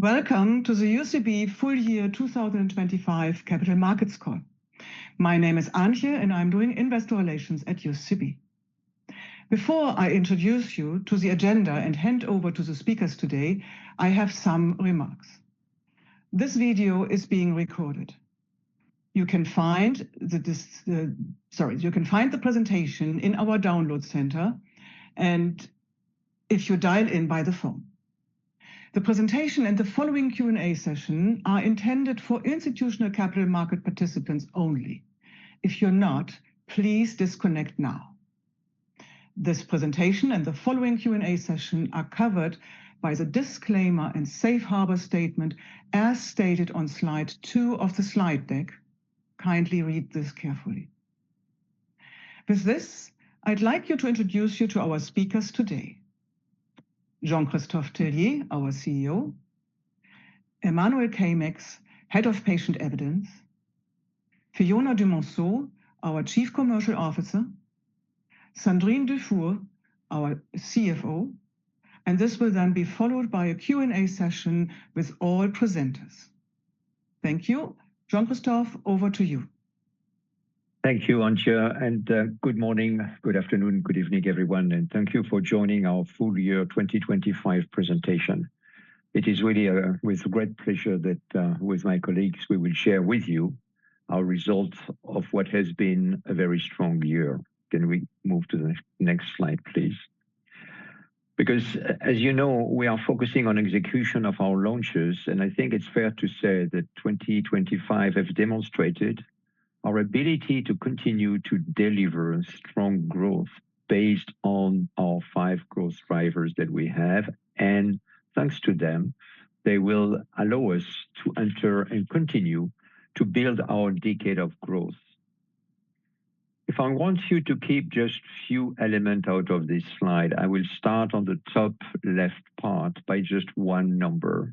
Welcome to the UCB full year 2025 capital markets call. My name is Antje, and I'm doing investor relations at UCB. Before I introduce you to the agenda and hand over to the speakers today, I have some remarks. This video is being recorded. You can find the presentation in our download center, and if you dialed in by the phone. The presentation and the following Q&A session are intended for institutional capital market participants only. If you're not, please disconnect now. This presentation and the following Q&A session are covered by the disclaimer and safe harbor statement as stated on slide 2 of the slide deck. Kindly read this carefully. With this, I'd like you to introduce you to our speakers today. Jean-Christophe Tellier, our CEO, Emmanuel Caeymaex, Head of Patient Evidence, Fiona du Monceau, our Chief Commercial Officer, Sandrine Dufour, our CFO, and this will then be followed by a Q&A session with all presenters. Thank you. Jean-Christophe, over to you. Thank you, Antje. Good morning, good afternoon, good evening, everyone, and thank you for joining our full year 2025 presentation. It is really with great pleasure that with my colleagues, we will share with you our results of what has been a very strong year. Can we move to the next slide, please? As you know, we are focusing on execution of our launches, and I think it's fair to say that 2025 have demonstrated our ability to continue to deliver strong growth based on our five growth drivers that we have, and thanks to them, they will allow us to enter and continue to build our decade of growth. If I want you to keep just few element out of this slide, I will start on the top left part by just one number.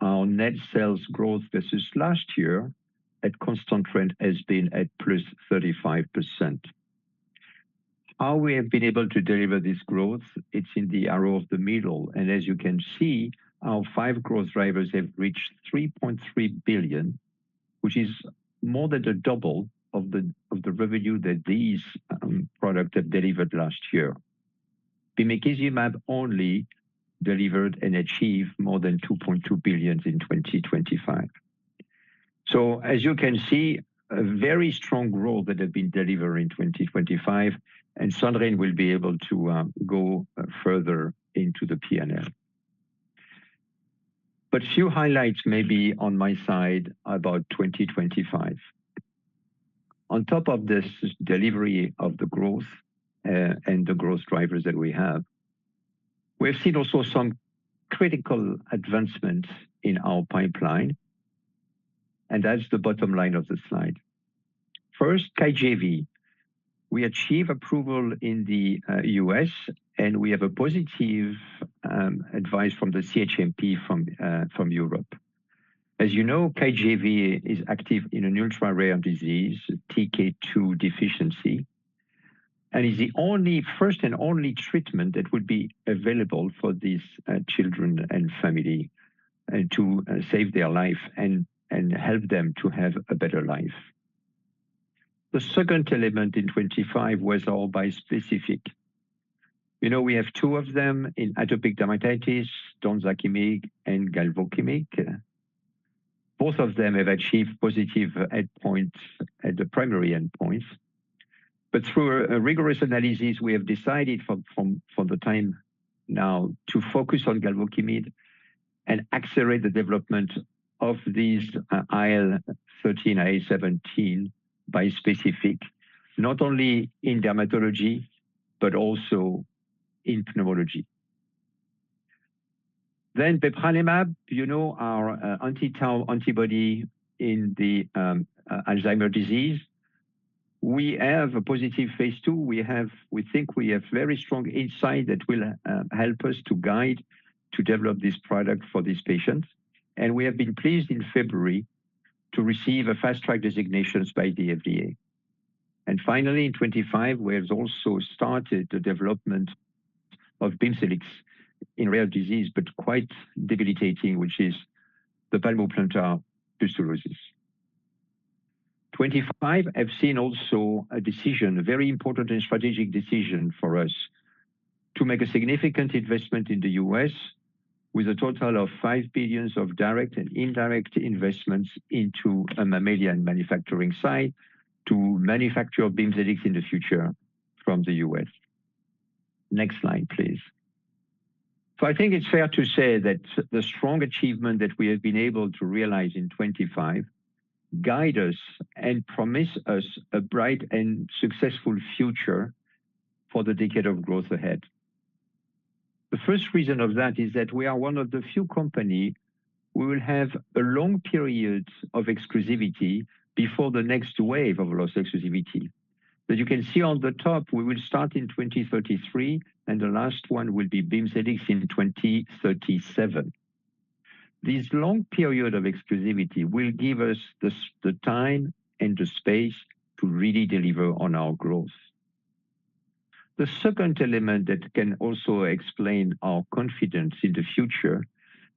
Our net sales growth versus last year at constant trend has been at +35%. How we have been able to deliver this growth, it's in the arrow of the middle, and as you can see, our 5 growth drivers have reached 3.3 billion, which is more than the double of the revenue that these product have delivered last year. bimekizumab only delivered and achieved more than 2.2 billion in 2025. As you can see, a very strong growth that have been delivered in 2025, and Sandrine will be able to go further into the P&L. Few highlights maybe on my side about 2025. On top of this delivery of the growth, and the growth drivers that we have, we have seen also some critical advancements in our pipeline, and that's the bottom line of the slide. First, Kygevvi. We achieve approval in the U.S., and we have a positive advice from the CHMP from Europe. As you know, Kygevvi is active in an ultra-rare disease, TK2 deficiency, and is the only first and only treatment that would be available for these children and family to save their life and help them to have a better life. The second element in 25 was our bispecific. You know, we have two of them in atopic dermatitis, donzakimig and galvokimig. Both of them have achieved positive endpoints at the primary endpoints, but through a rigorous analysis, we have decided from for the time now to focus on galvokimig and accelerate the development of these IL-13, IL-17 bispecific, not only in dermatology, but also in pulmonology. bepranemab, you know, our anti-tau antibody in the Alzheimer's disease. We have a positive phase II. We think we have very strong insight that will help us to guide to develop this product for these patients, and we have been pleased in February to receive a Fast Track designations by the FDA. Finally, in 25, we have also started the development of Bimzelx in rare disease, but quite debilitating, which is the palmoplantar pustulosis. 25 have seen also a decision, a very important and strategic decision for us, to make a significant investment in the U.S. with a total of $5 billion of direct and indirect investments into a mammalian manufacturing site to manufacture Bimzelx in the future from the U.S. Next slide, please. I think it's fair to say that the strong achievement that we have been able to realize in 25 guide us and promise us a bright and successful future for the decade of growth ahead. The first reason of that is that we are one of the few company who will have a long period of exclusivity before the next wave of Loss of Exclusivity. As you can see on the top, we will start in 2033, and the last one will be Bimzelx in 2037. This long period of exclusivity will give us the time and the space to really deliver on our growth. The second element that can also explain our confidence in the future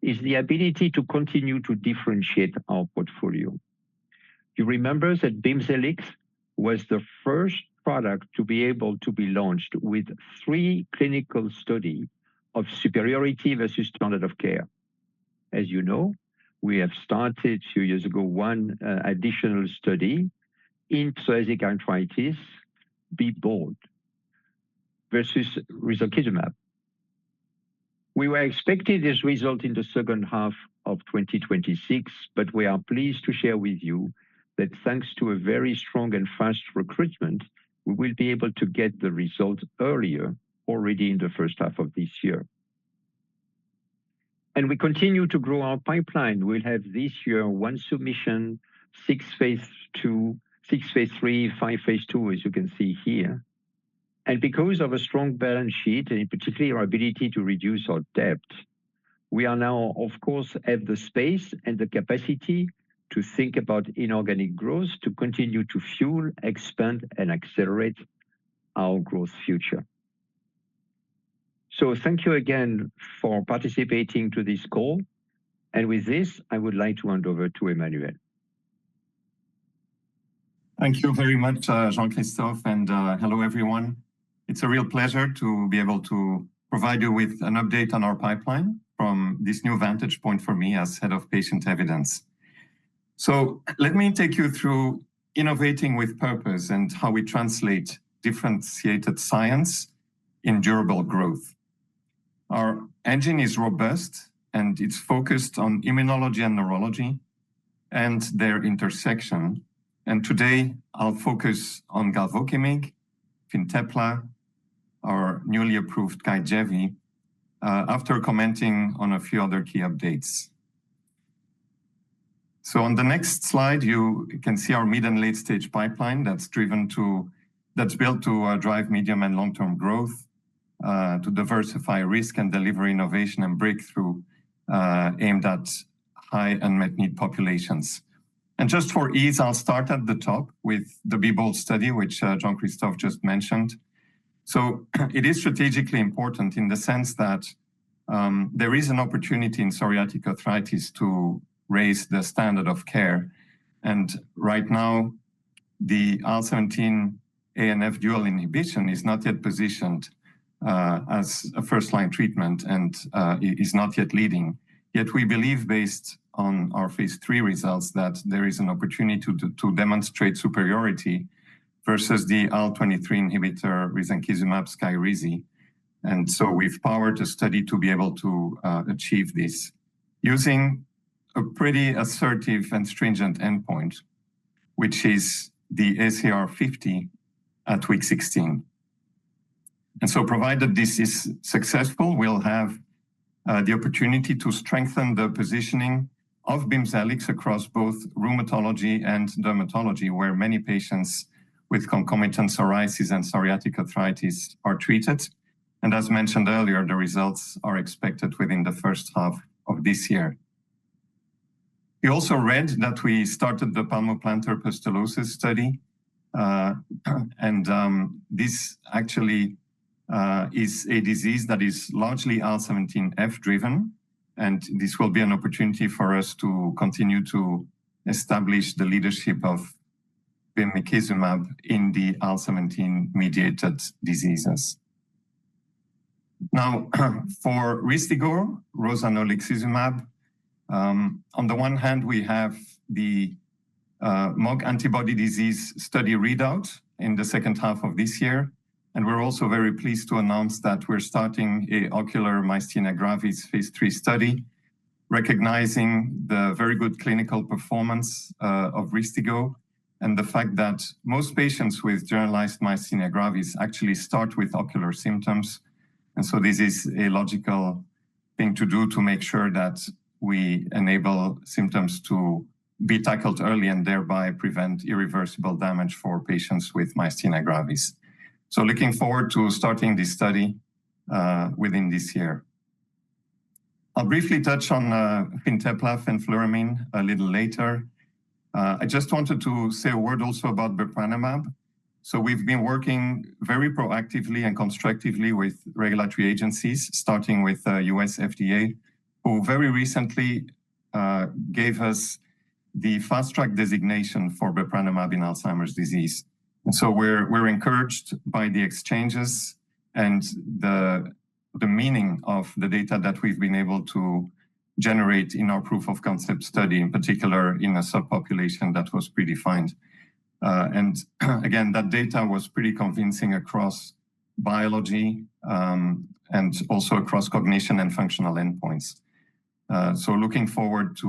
is the ability to continue to differentiate our portfolio. You remember that Bimzelx was the first product to be able to be launched with three clinical study of superiority versus standard of care. As you know, we have started two years ago, one additional study in psoriatic arthritis, BE BOLD versus risankizumab. We were expecting this result in the second half of 2026, but we are pleased to share with you that thanks to a very strong and fast recruitment, we will be able to get the result earlier, already in the first half of this year. We continue to grow our pipeline. We'll have this year one submission, six phase II, six phase III, five phase II, as you can see here. Because of a strong balance sheet, and in particularly our ability to reduce our debt, we are now, of course, have the space and the capacity to think about inorganic growth, to continue to fuel, expand, and accelerate our growth future. Thank you again for participating to this call. With this, I would like to hand over to Emmanuel. Thank you very much, Jean-Christophe. Hello, everyone. It's a real pleasure to be able to provide you with an update on our pipeline from this new vantage point for me as Head of Patient Evidence. Let me take you through innovating with purpose and how we translate differentiated science in durable growth. Our engine is robust. It's focused on immunology and neurology, and their intersection. Today, I'll focus on galvokimig, Fintepla, our newly approved Kygevvi, after commenting on a few other key updates. On the next slide, you can see our mid and late-stage pipeline that's built to drive medium and long-term growth, to diversify risk and deliver innovation and breakthrough, aimed at high unmet need populations. Just for ease, I'll start at the top with the BE BOLD study, which Jean-Christophe just mentioned. It is strategically important in the sense that there is an opportunity in psoriatic arthritis to raise the standard of care. Right now, the IL-17A and F dual inhibition is not yet positioned as a first-line treatment and is not yet leading. We believe based on our phase III results, that there is an opportunity to demonstrate superiority versus the IL-23 inhibitor, risankizumab, Skyrizi. We've powered a study to be able to achieve this using a pretty assertive and stringent endpoint, which is the ACR50 at week 16. Provided this is successful, we'll have the opportunity to strengthen the positioning of Bimzelx across both rheumatology and dermatology, where many patients with concomitant psoriasis and psoriatic arthritis are treated. As mentioned earlier, the results are expected within the first half of this year. You also read that we started the palmoplantar pustulosis study, this actually is a disease that is largely IL-17F driven, and this will be an opportunity for us to continue to establish the leadership of bimekizumab in the IL-17-mediated diseases. Now, for Rystiggo, rozanolixizumab, on the one hand, we have the MOG antibody disease study readout in the second half of this year, and we're also very pleased to announce that we're starting a ocular myasthenia gravis phase III study, recognizing the very good clinical performance of Rystiggo, and the fact that most patients with generalized myasthenia gravis actually start with ocular symptoms. This is a logical thing to do to make sure that we enable symptoms to be tackled early and thereby prevent irreversible damage for patients with myasthenia gravis. Looking forward to starting this study within this year. I'll briefly touch on Fintepla fenfluramine a little later. I just wanted to say a word also about bepranemab. We've been working very proactively and constructively with regulatory agencies, starting with U.S. FDA, who very recently gave us the Fast Track designation for bepranemab in Alzheimer's disease. We're encouraged by the exchanges and the meaning of the data that we've been able to generate in our proof of concept study, in particular, in a subpopulation that was predefined. Again, that data was pretty convincing across biology and also across cognition and functional endpoints. Looking forward to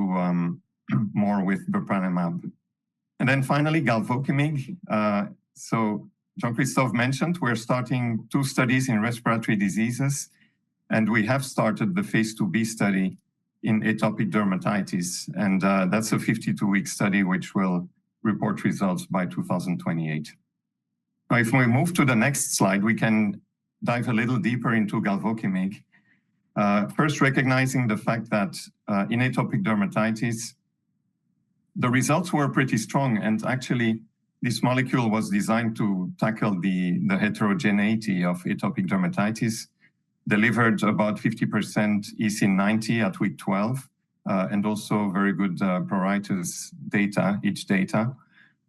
more with bepranemab. Finally, galvokimig. Jean-Christophe mentioned, we're starting two studies in respiratory diseases, and we have started the phase II-B study in atopic dermatitis, and that's a 52-week study, which will report results by 2028. Now, if we move to the next slide, we can dive a little deeper into galvokimig. First, recognizing the fact that in atopic dermatitis. The results were pretty strong, and actually, this molecule was designed to tackle the heterogeneity of atopic dermatitis, delivered about 50% EASI 90 at week 12, and also very good pruritus data, itch data.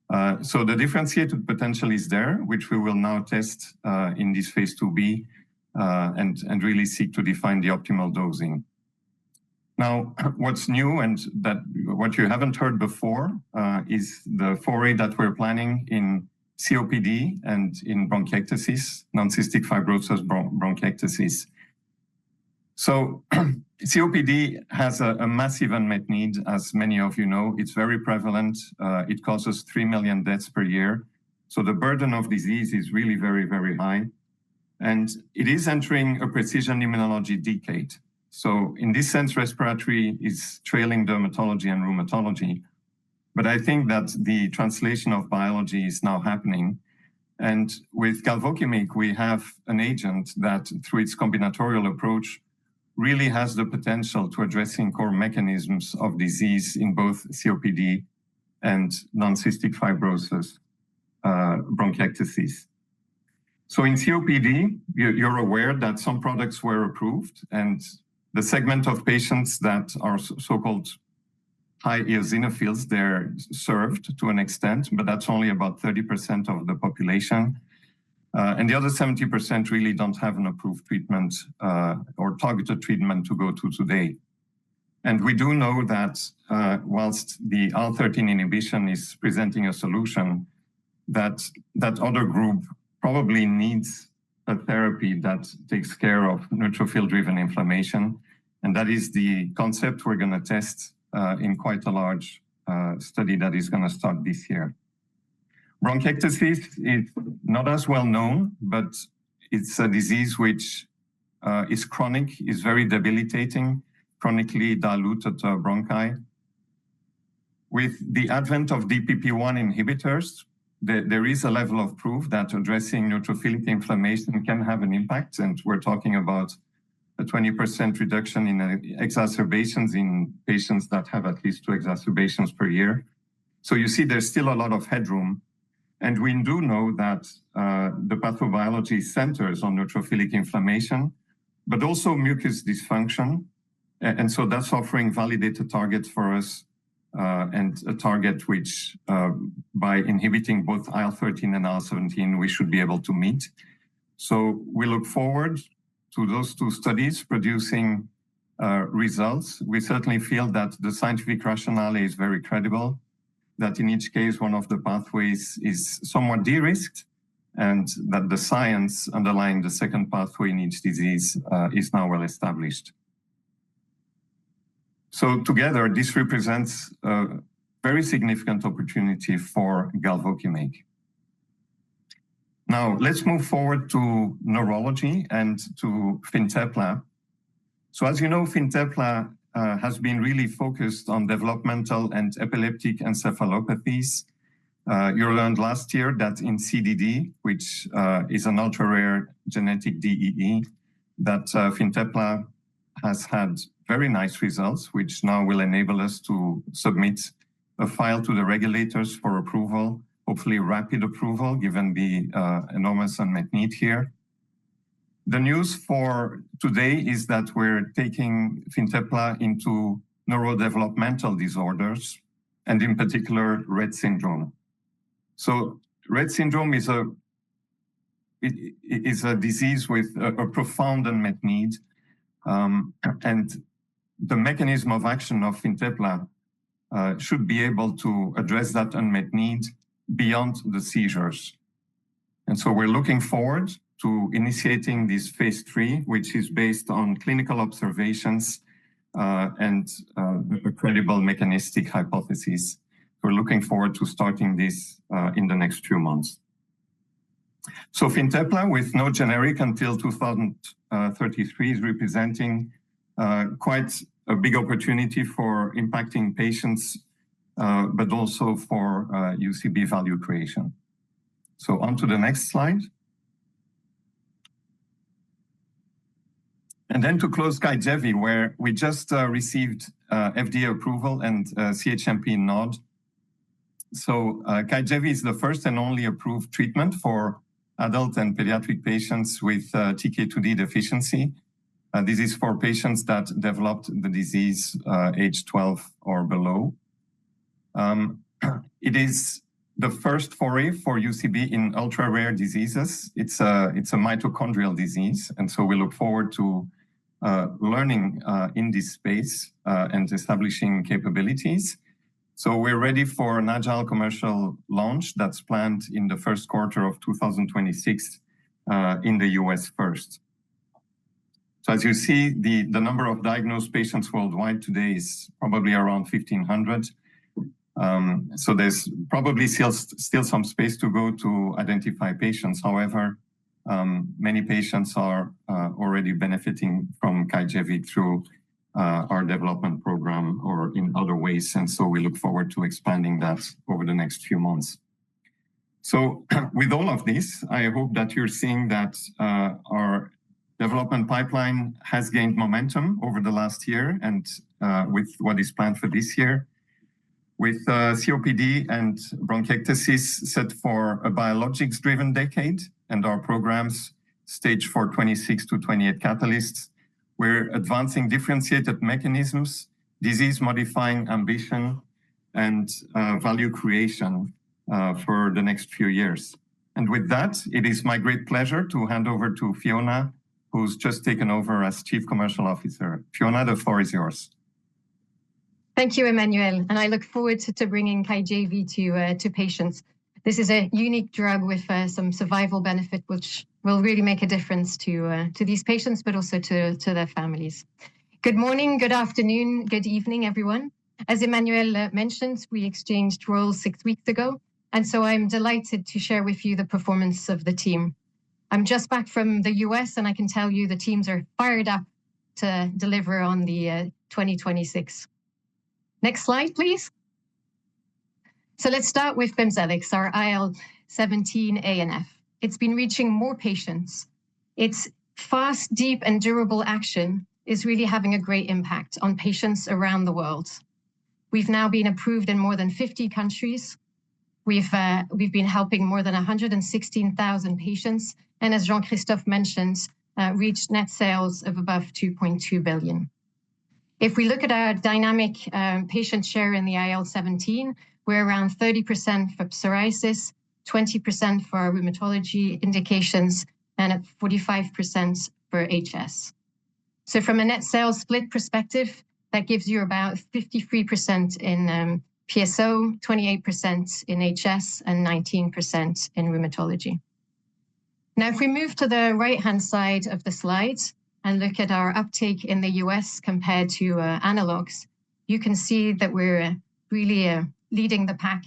The differentiated potential is there, which we will now test in this phase II-B, and really seek to define the optimal dosing. Now, what's new and that... What you haven't heard before, is the foray that we're planning in COPD and in bronchiectasis, non-cystic fibrosis bronchiectasis. COPD has a massive unmet need, as many of you know. It's very prevalent. It causes 3 million deaths per year. The burden of disease is really very, very high, and it is entering a precision immunology decade. In this sense, respiratory is trailing dermatology and rheumatology, but I think that the translation of biology is now happening. With galvokimig, we have an agent that, through its combinatorial approach, really has the potential to addressing core mechanisms of disease in both COPD and non-cystic fibrosis, bronchiectasis. In COPD, you're aware that some products were approved, and the segment of patients that are so-called high eosinophils, they're served to an extent, but that's only about 30% of the population. The other 70% really don't have an approved treatment or targeted treatment to go to today. We do know that, whilst the IL-13 inhibition is presenting a solution, that other group probably needs a therapy that takes care of neutrophil-driven inflammation, and that is the concept we're going to test in quite a large study that is going to start this year. Bronchiectasis is not as well known, but it's a disease which is chronic, is very debilitating, chronically diluted bronchi. With the advent of DPP-1 inhibitors, there is a level of proof that addressing neutrophilic inflammation can have an impact, and we're talking about a 20% reduction in exacerbations in patients that have at least two exacerbations per year. 's still a lot of headroom, and we do know that the pathobiology centers on neutrophilic inflammation, but also mucus dysfunction. And so that's offering validated targets for us, and a target which, by inhibiting both IL-13 and IL-17, we should be able to meet. We look forward to those two studies producing results. We certainly feel that the scientific rationale is very credible, that in each case, one of the pathways is somewhat de-risked, and that the science underlying the second pathway in each disease is now well established. Together, this represents a very significant opportunity for galvokimig. Now, let's move forward to neurology and to Fintepla. As you know, Fintepla has been really focused on developmental and epileptic encephalopathies. You learned last year that in CDD, which is an ultra-rare genetic DEE, that Fintepla has had very nice results, which now will enable us to submit a file to the regulators for approval, hopefully rapid approval, given the enormous unmet need here. The news for today is that we're taking Fintepla into neurodevelopmental disorders, and in particular, Rett syndrome. Rett syndrome it is a disease with a profound unmet need, and the mechanism of action of Fintepla should be able to address that unmet need beyond the seizures. We're looking forward to initiating this phase III, which is based on clinical observations, and a credible mechanistic hypothesis. We're looking forward to starting this in the next few months. Fintepla, with no generic until 2033, is representing quite a big opportunity for impacting patients, but also for UCB value creation. On to the next slide. To close, Kygevvi, where we just received FDA approval and CHMP nod. Kygevvi is the first and only approved treatment for adult and pediatric patients with TK2d deficiency. This is for patients that developed the disease, age 12 or below. It is the first foray for UCB in ultra-rare diseases. It's a mitochondrial disease, we look forward to learning in this space and establishing capabilities. We're ready for an agile commercial launch that's planned in the first quarter of 2026 in the U.S. first. As you see, the number of diagnosed patients worldwide today is probably around 1,500. There's probably still some space to go to identify patients. However, many patients are already benefiting from Kygevvi through our development program or in other ways, we look forward to expanding that over the next few months. With all of this, I hope that you're seeing that our development pipeline has gained momentum over the last year and with what is planned for this year. With COPD and bronchiectasis set for a biologics-driven decade, and our programs staged for 26-28 catalysts, we're advancing differentiated mechanisms, disease-modifying ambition, and value creation for the next few years. With that, it is my great pleasure to hand over to Fiona, who's just taken over as Chief Commercial Officer. Fiona, the floor is yours. Thank you, Emmanuel. I look forward to bringing Kygevvi to patients. This is a unique drug with some survival benefit, which will really make a difference to these patients, but also to their families. Good morning, good afternoon, good evening, everyone. As Emmanuel mentioned, we exchanged roles six weeks ago. I'm delighted to share with you the performance of the team. I'm just back from the U.S., I can tell you the teams are fired up to deliver on the 2026. Next slide, please. Let's start with Bimzelx, our IL-17A and F. It's been reaching more patients. Its fast, deep, and durable action is really having a great impact on patients around the world. We've now been approved in more than 50 countries. We've been helping more than 116,000 patients, as Jean-Christophe mentioned, reached net sales of above 2.2 billion. If we look at our dynamic patient share in the IL-17, we're around 30% for psoriasis, 20% for our rheumatology indications, at 45% for HS. From a net sales split perspective, that gives you about 53% in PSO, 28% in HS, 19% in rheumatology. If we move to the right-hand side of the slide and look at our uptake in the U.S. compared to analogues, you can see that we're really leading the pack,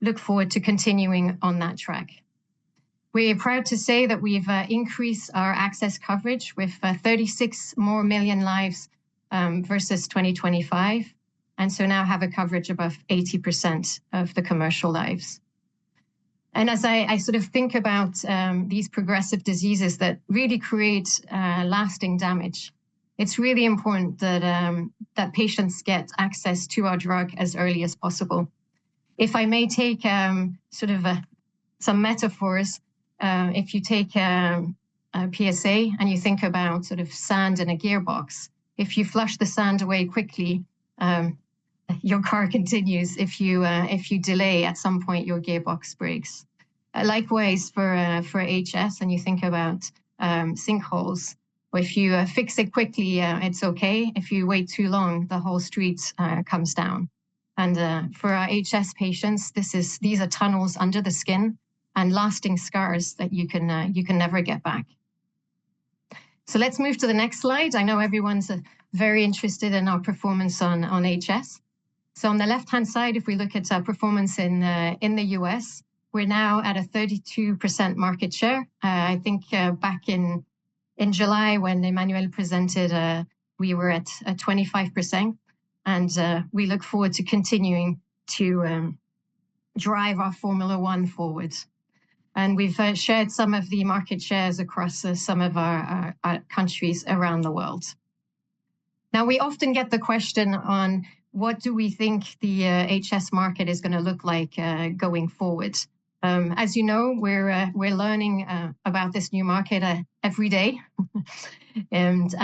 look forward to continuing on that track. We're proud to say that we've increased our access coverage with 36 more million lives versus 2025, and so now have a coverage above 80% of the commercial lives. As I sort of think about these progressive diseases that really create lasting damage, it's really important that patients get access to our drug as early as possible. If I may take sort of some metaphors, if you take PSA, and you think about sort of sand in a gearbox, if you flush the sand away quickly, your car continues. If you delay, at some point, your gearbox breaks. Likewise, for HS, and you think about sinkholes, if you fix it quickly, it's okay. If you wait too long, the whole street comes down. For our HS patients, these are tunnels under the skin and lasting scars that you can never get back. Let's move to the next slide. I know everyone's very interested in our performance on HS. On the left-hand side, if we look at our performance in the U.S., we're now at a 32% market share. I think back in July, when Emmanuel presented, we were at a 25%, and we look forward to continuing to drive our Formula One forward. We've shared some of the market shares across some of our countries around the world. We often get the question on what do we think the HS market is going to look like going forward? As you know, we're learning about this new market every day, and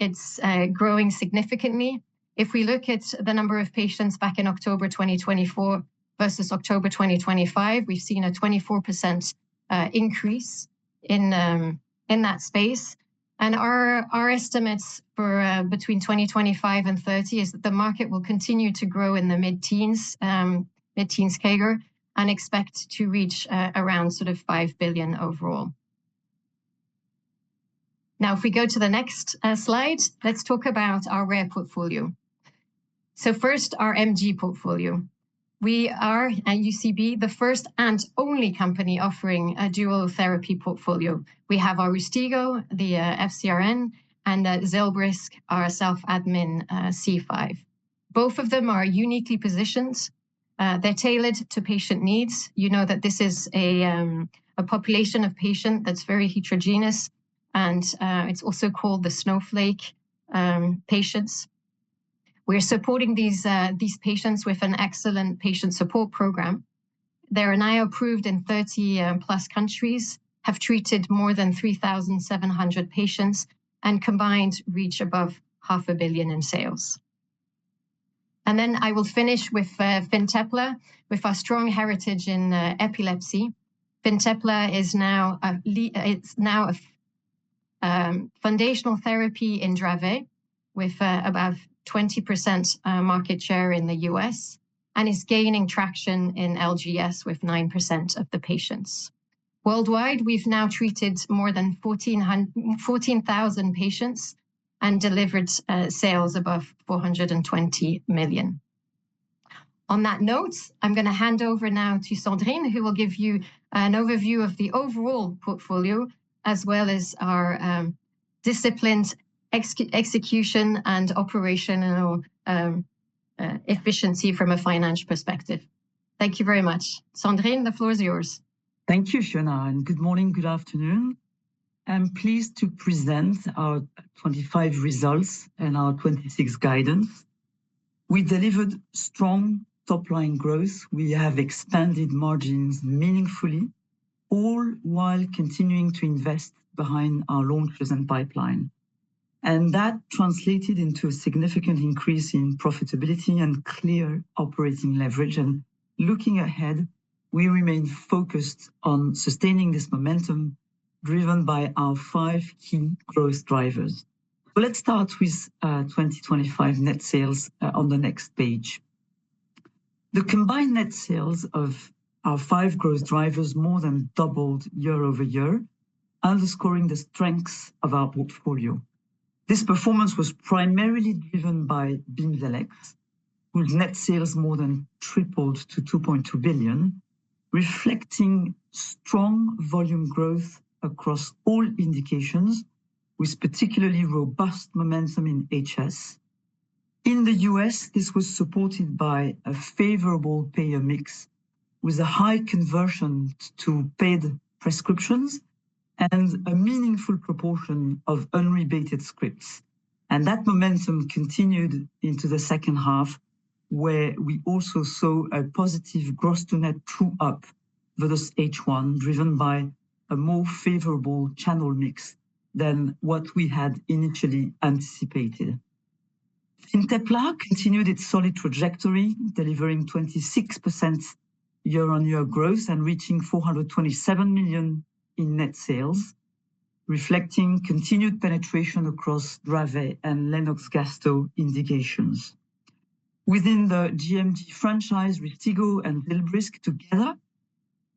it's growing significantly. If we look at the number of patients back in October 2024 versus October 2025, we've seen a 24% increase in that space. Our estimates for between 2025 and 2030 is that the market will continue to grow in the mid-teens, mid-teens CAGR, and expect to reach around sort of 5 billion overall. If we go to the next slide, let's talk about our rare portfolio. First, our MG portfolio. We are, at UCB, the first and only company offering a dual therapy portfolio. We have Rystiggo, the FcRn, and Zilbrysq, our self-admin C5. Both of them are uniquely positioned. They're tailored to patient needs. You know that this is a population of patient that's very heterogeneous, it's also called the snowflake patients. We're supporting these patients with an excellent patient support program. They're now approved in 30+ countries, have treated more than 3,700 patients, and combined, reach above half a billion EUR in sales. I will finish with Fintepla. With our strong heritage in epilepsy, Fintepla is now a foundational therapy in Dravet, with above 20% market share in the U.S., and is gaining traction in LGS with 9% of the patients. Worldwide, we've now treated more than 14,000 patients and delivered sales above 420 million. On that note, I'm going to hand over now to Sandrine, who will give you an overview of the overall portfolio, as well as our disciplined execution, and operation, and our efficiency from a financial perspective. Thank you very much. Sandrine, the floor is yours. Thank you, Fiona. Good morning, good afternoon. I'm pleased to present our 2025 results and our 2026 guidance. We delivered strong top-line growth. We have expanded margins meaningfully, all while continuing to invest behind our launches and pipeline. That translated into a significant increase in profitability and clear operating leverage. Looking ahead, we remain focused on sustaining this momentum, driven by our five key growth drivers. Let's start with 2025 net sales on the next page. The combined net sales of our five growth drivers more than doubled year-over-year, underscoring the strengths of our portfolio. This performance was primarily driven by Bimzelx, whose net sales more than tripled to 2.2 billion, reflecting strong volume growth across all indications, with particularly robust momentum in HS. In the U.S., this was supported by a favorable payer mix, with a high conversion to paid prescriptions and a meaningful proportion of unrebated scripts. That momentum continued into the second half, where we also saw a positive gross-to-net true-up versus H1, driven by a more favorable channel mix than what we had initially anticipated. Fintepla continued its solid trajectory, delivering 26% year-on-year growth and reaching 427 million in net sales, reflecting continued penetration across Dravet and Lennox-Gastaut indications. Within the gMG franchise, Rystiggo and Zilbrysq together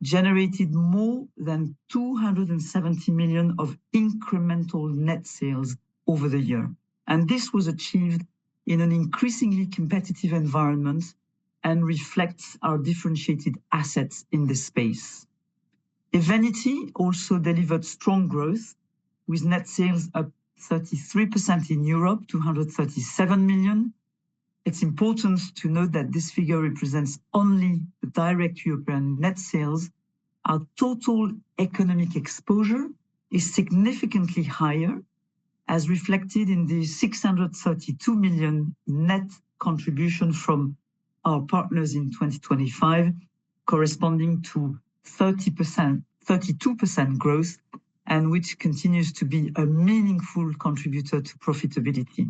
generated more than 270 million of incremental net sales over the year, and this was achieved in an increasingly competitive environment and reflects our differentiated assets in this space. Evenity also delivered strong growth, with net sales up 33% in Europe to 137 million. It's important to note that this figure represents only the direct European net sales. Our total economic exposure is significantly higher, as reflected in the 632 million net contribution from our partners in 2025, corresponding to 30%-32% growth, which continues to be a meaningful contributor to profitability.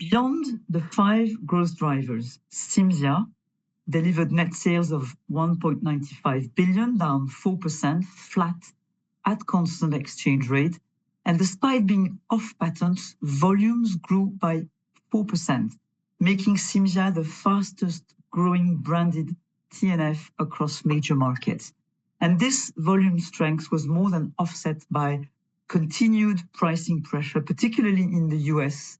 Beyond the 5 growth drivers, Cimzia delivered net sales of 1.95 billion, down 4%, flat at constant exchange rate. Despite being off patents, volumes grew by 4%, making Cimzia the fastest-growing branded TNF across major markets. This volume strength was more than offset by continued pricing pressure, particularly in the U.S.,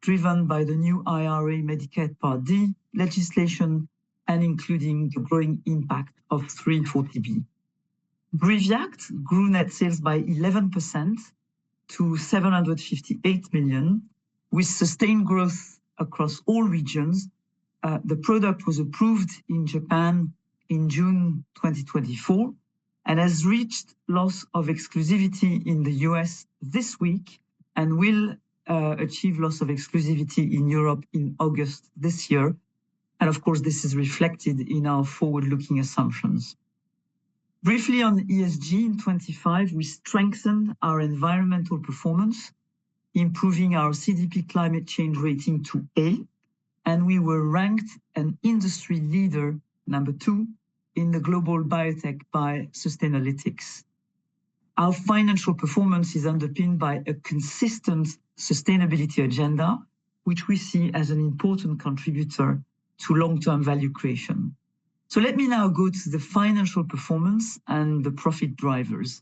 driven by the new IRA Medicare Part D legislation and including the growing impact of three and four PB. Briviact grew net sales by 11% to 758 million, with sustained growth across all regions. The product was approved in Japan in June 2024, has reached Loss of Exclusivity in the U.S. this week, and will achieve Loss of Exclusivity in Europe in August this year. Of course, this is reflected in our forward-looking assumptions. Briefly on ESG, in 2025, we strengthened our environmental performance, improving our CDP climate change rating to A, and we were ranked an industry leader, number 2, in the global biotech by Sustainalytics. Our financial performance is underpinned by a consistent sustainability agenda, which we see as an important contributor to long-term value creation. Let me now go to the financial performance and the profit drivers,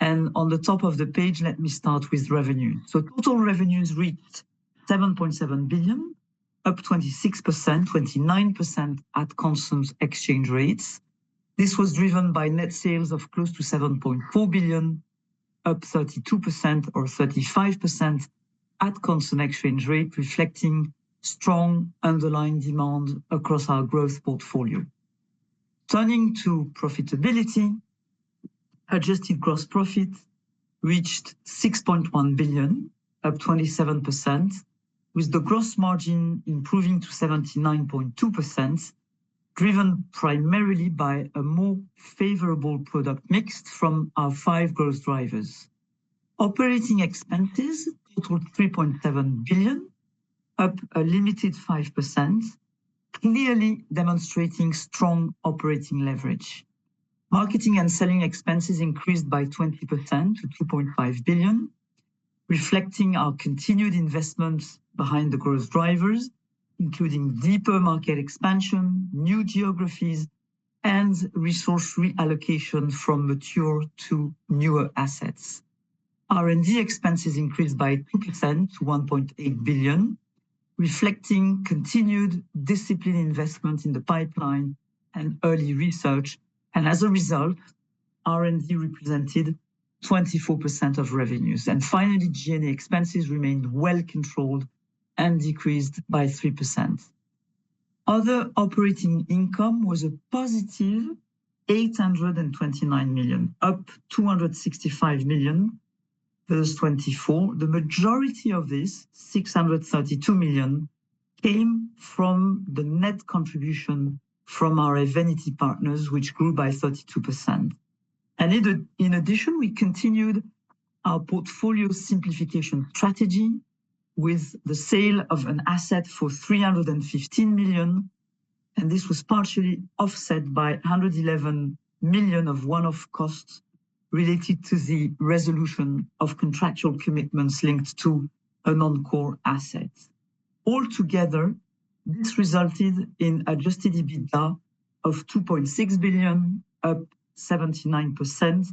on the top of the page, let me start with revenue. Total revenues reached 7.7 billion, up 26%, 29% at constant exchange rates. This was driven by net sales of close to 7.4 billion, up 32% or 35% at constant exchange rate, reflecting strong underlying demand across our growth portfolio. Turning to profitability, adjusted gross profit reached 6.0 billion, up 27%, with the gross margin improving to 79.2%, driven primarily by a more favorable product mix from our five growth drivers. Operating expenses totaled 3.7 billion, up a limited 5%, clearly demonstrating strong operating leverage. Marketing and selling expenses increased by 20% to 2.5 billion, reflecting our continued investments behind the growth drivers, including deeper market expansion, new geographies, and resource reallocation from mature to newer assets. R&D expenses increased by 2% to 1.8 billion, reflecting continued disciplined investment in the pipeline and early research. As a result, R&D represented 24% of revenues. Finally, GA expenses remained well controlled and decreased by 3%. Other operating income was a positive 829 million, up 265 million versus 2024. The majority of this, 632 million, came from the net contribution from our Evenity partners, which grew by 32%. In addition, we continued our portfolio simplification strategy with the sale of an asset for 315 million. This was partially offset by 111 million of one-off costs related to the resolution of contractual commitments linked to a non-core asset. Altogether, this resulted in adjusted EBITDA of 2.6 billion, up 79%,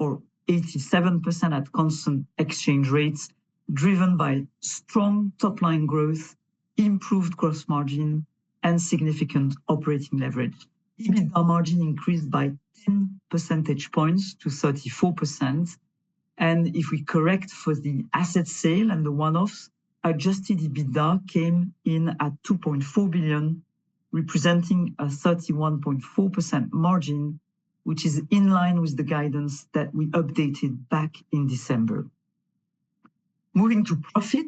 or 87% at constant exchange rates, driven by strong top-line growth, improved gross margin, and significant operating leverage. EBITA margin increased by 10 percentage points to 34%. If we correct for the asset sale and the one-offs, adjusted EBITDA came in at 2.4 billion, representing a 31.4% margin, which is in line with the guidance that we updated back in December. Moving to profit.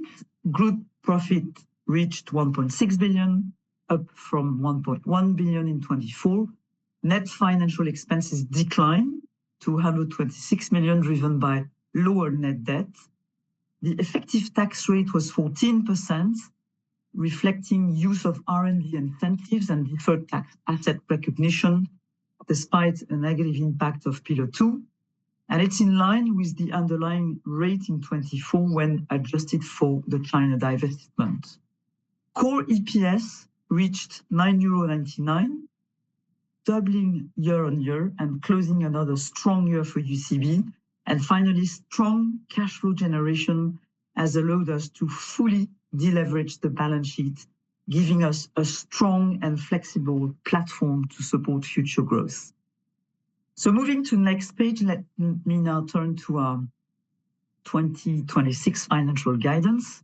Group profit reached 1.6 billion, up from 1.1 billion in 2024. Net financial expenses declined to 226 million, driven by lower net debt. The effective tax rate was 14%, reflecting use of R&D incentives and deferred tax asset recognition, despite a negative impact of Pillar Two, and it's in line with the underlying rate in 2024 when adjusted for the China divestment. Core EPS reached 9.99 euros, doubling year on year and closing another strong year for UCB. Finally, strong cash flow generation has allowed us to fully deleverage the balance sheet, giving us a strong and flexible platform to support future growth. Moving to the next page, let me now turn to our 2026 financial guidance.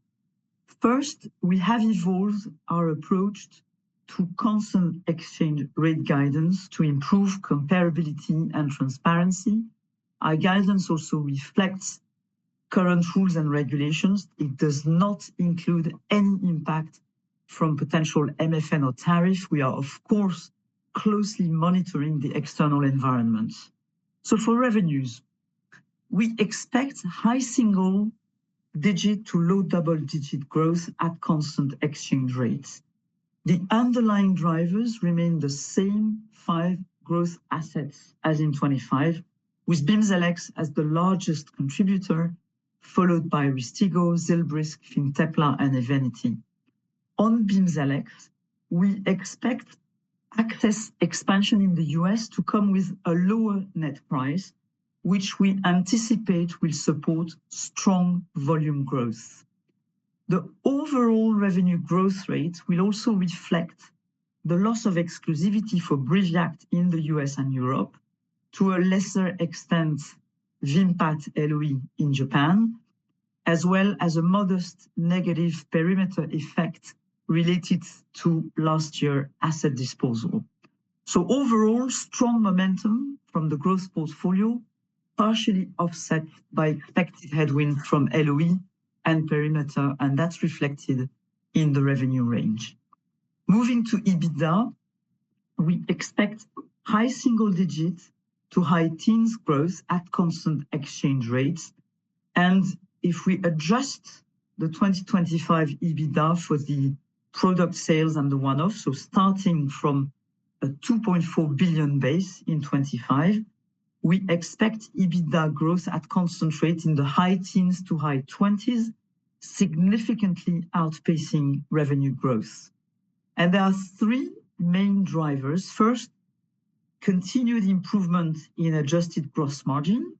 First, we have evolved our approach to constant exchange rate guidance to improve comparability and transparency. Our guidance also reflects current rules and regulations. It does not include any impact from potential MFN or tariff. We are, of course, closely monitoring the external environment. For revenues, we expect high single digit to low double-digit growth at constant exchange rates. The underlying drivers remain the same five growth assets as in 2025, with Bimzelx as the largest contributor, followed by Rystiggo Zilbrysq, Fintepla, and Evenity. On Bimzelx, we expect access expansion in the U.S. to come with a lower net price, which we anticipate will support strong volume growth. The overall revenue growth rate will also reflect the Loss of Exclusivity for Brilinta in the U.S. and Europe, to a lesser extent, VIMPAT/LOE in Japan, as well as a modest negative perimeter effect related to last year asset disposal. Overall, strong momentum from the growth portfolio, partially offset by expected headwind from LOE and perimeter, and that's reflected in the revenue range. Moving to EBITDA, we expect high single-digits to high teens growth at constant exchange rates. If we adjust the 2025 EBITDA for the product sales and the one-offs, starting from a 2.4 billion base in 2025, we expect EBITDA growth at constant rates in the high teens to high twenties, significantly outpacing revenue growth. There are three main drivers. First, continued improvement in adjusted gross margin,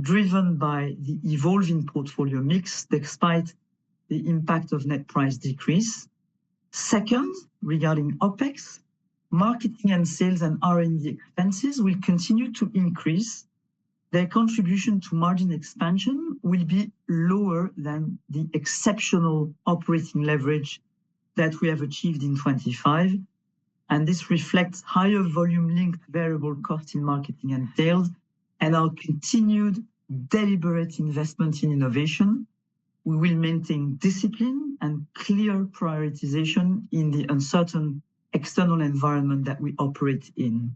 driven by the evolving portfolio mix, despite the impact of net price decrease. Second, regarding OpEx, marketing and sales and R&D expenses will continue to increase. Their contribution to margin expansion will be lower than the exceptional operating leverage that we have achieved in 2025, and this reflects higher volume-linked variable costs in marketing and sales, and our continued deliberate investment in innovation. We will maintain discipline and clear prioritization in the uncertain external environment that we operate in.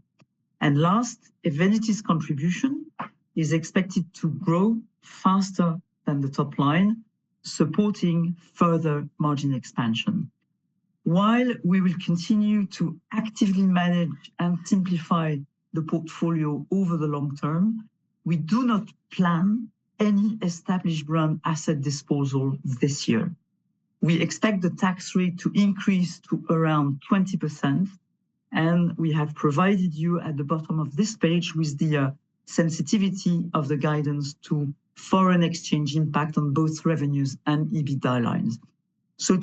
Last, Evenity's contribution is expected to grow faster than the top line, supporting further margin expansion. While we will continue to actively manage and simplify the portfolio over the long term, we do not plan any established brand asset disposal this year. We expect the tax rate to increase to around 20%.... and we have provided you at the bottom of this page with the sensitivity of the guidance to foreign exchange impact on both revenues and EBITDA lines.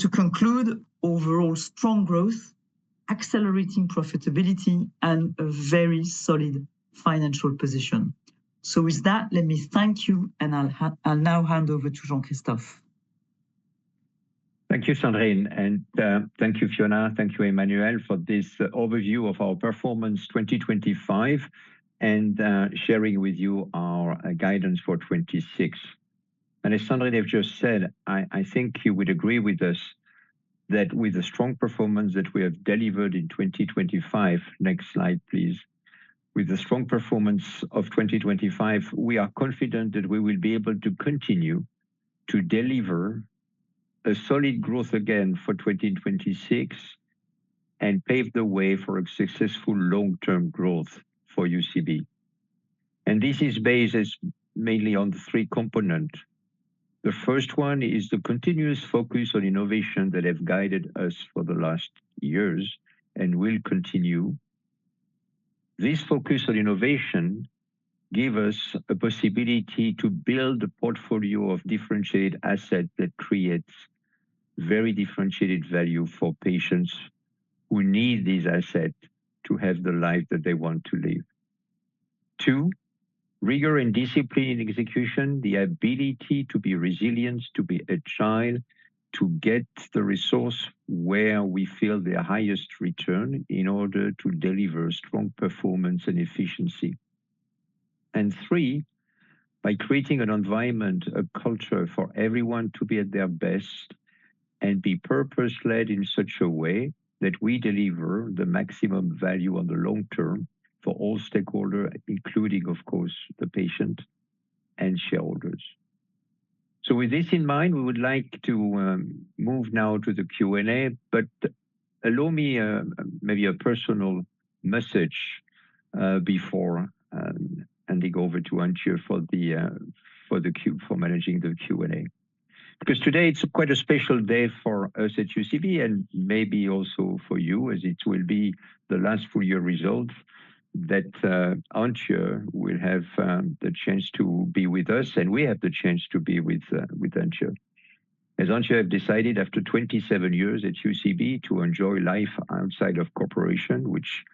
To conclude, overall strong growth, accelerating profitability, and a very solid financial position. With that, let me thank you, and I'll now hand over to Jean-Christophe. Thank you, Sandrine, and thank you, Fiona, thank you, Emmanuel, for this overview of our performance 2025, and sharing with you our guidance for 2026. As Sandrine have just said, I think you would agree with us that with the strong performance that we have delivered in 2025. Next slide, please. With the strong performance of 2025, we are confident that we will be able to continue to deliver a solid growth again for 2026, and pave the way for a successful long-term growth for UCB. This is based as mainly on the three component. The first one is the continuous focus on innovation that have guided us for the last years and will continue. This focus on innovation give us a possibility to build a portfolio of differentiated asset that creates very differentiated value for patients who need this asset to have the life that they want to live. Two, rigor and discipline in execution, the ability to be resilient, to be agile, to get the resource where we feel the highest return in order to deliver strong performance and efficiency. Three, by creating an environment, a culture for everyone to be at their best and be purpose-led in such a way that we deliver the maximum value on the long term for all stakeholder, including, of course, the patient and shareholders. With this in mind, we would like to move now to the Q&A. Allow me maybe a personal message before handing over to Antje for managing the Q&A. Today it's quite a special day for us at UCB, and maybe also for you, as it will be the last full year result that Antje will have the chance to be with us, and we have the chance to be with Antje. Antje have decided, after 27 years at UCB, to enjoy life outside of corporation, which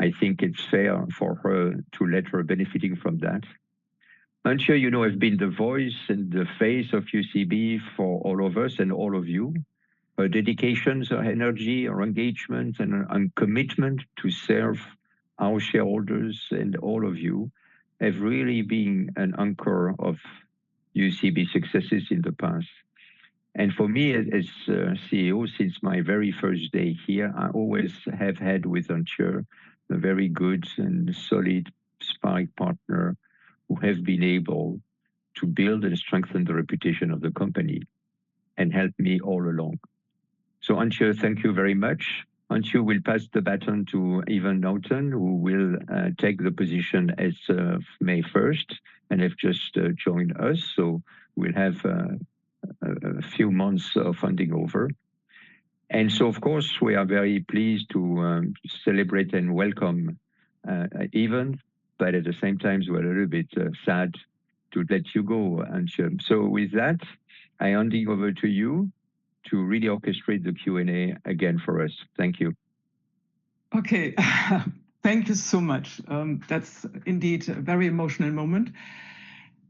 I think it's fair for her to let her benefiting from that. Antje, you know, has been the voice and the face of UCB for all of us and all of you. Her dedications, her energy, her engagement, and commitment to serve our shareholders and all of you have really been an anchor of UCB successes in the past. For me, as CEO, since my very first day here, I always have had with Antje a very good and solid sparring partner who has been able to build and strengthen the reputation of the company and help me all along. Antje, thank you very much. Antje will pass the baton to Evan Norton, who will take the position as of May 1st, and have just joined us, so we'll have a few months of handing over. Of course, we are very pleased to celebrate and welcome Evan, but at the same time, we're a little bit sad to let you go, Antje. With that, I hand it over to you to really orchestrate the Q&A again for us. Thank you. Okay. Thank you so much. That's indeed a very emotional moment.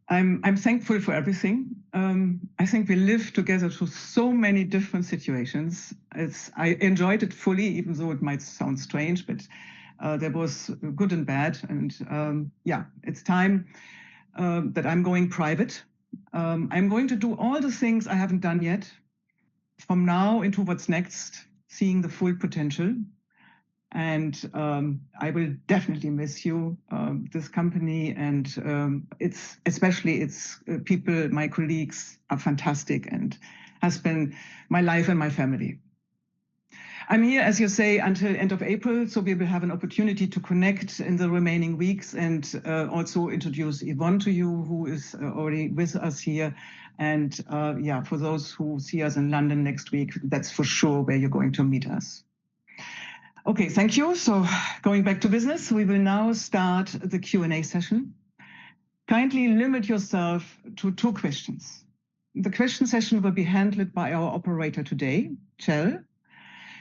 I'm thankful for everything. I think we lived together through so many different situations. I enjoyed it fully, even though it might sound strange, but there was good and bad, and yeah, it's time that I'm going private. I'm going to do all the things I haven't done yet from now into what's next, seeing the full potential. I will definitely miss you, this company and its, especially its people. My colleagues are fantastic and has been my life and my family. I'm here, as you say, until end of April, so we will have an opportunity to connect in the remaining weeks and also introduce Evan to you, who is already with us here. Yeah, for those who see us in London next week, that's for sure where you're going to meet us. Okay, thank you. Going back to business, we will now start the Q&A session. Kindly limit yourself to two questions. The question session will be handled by our operator today, Kjell.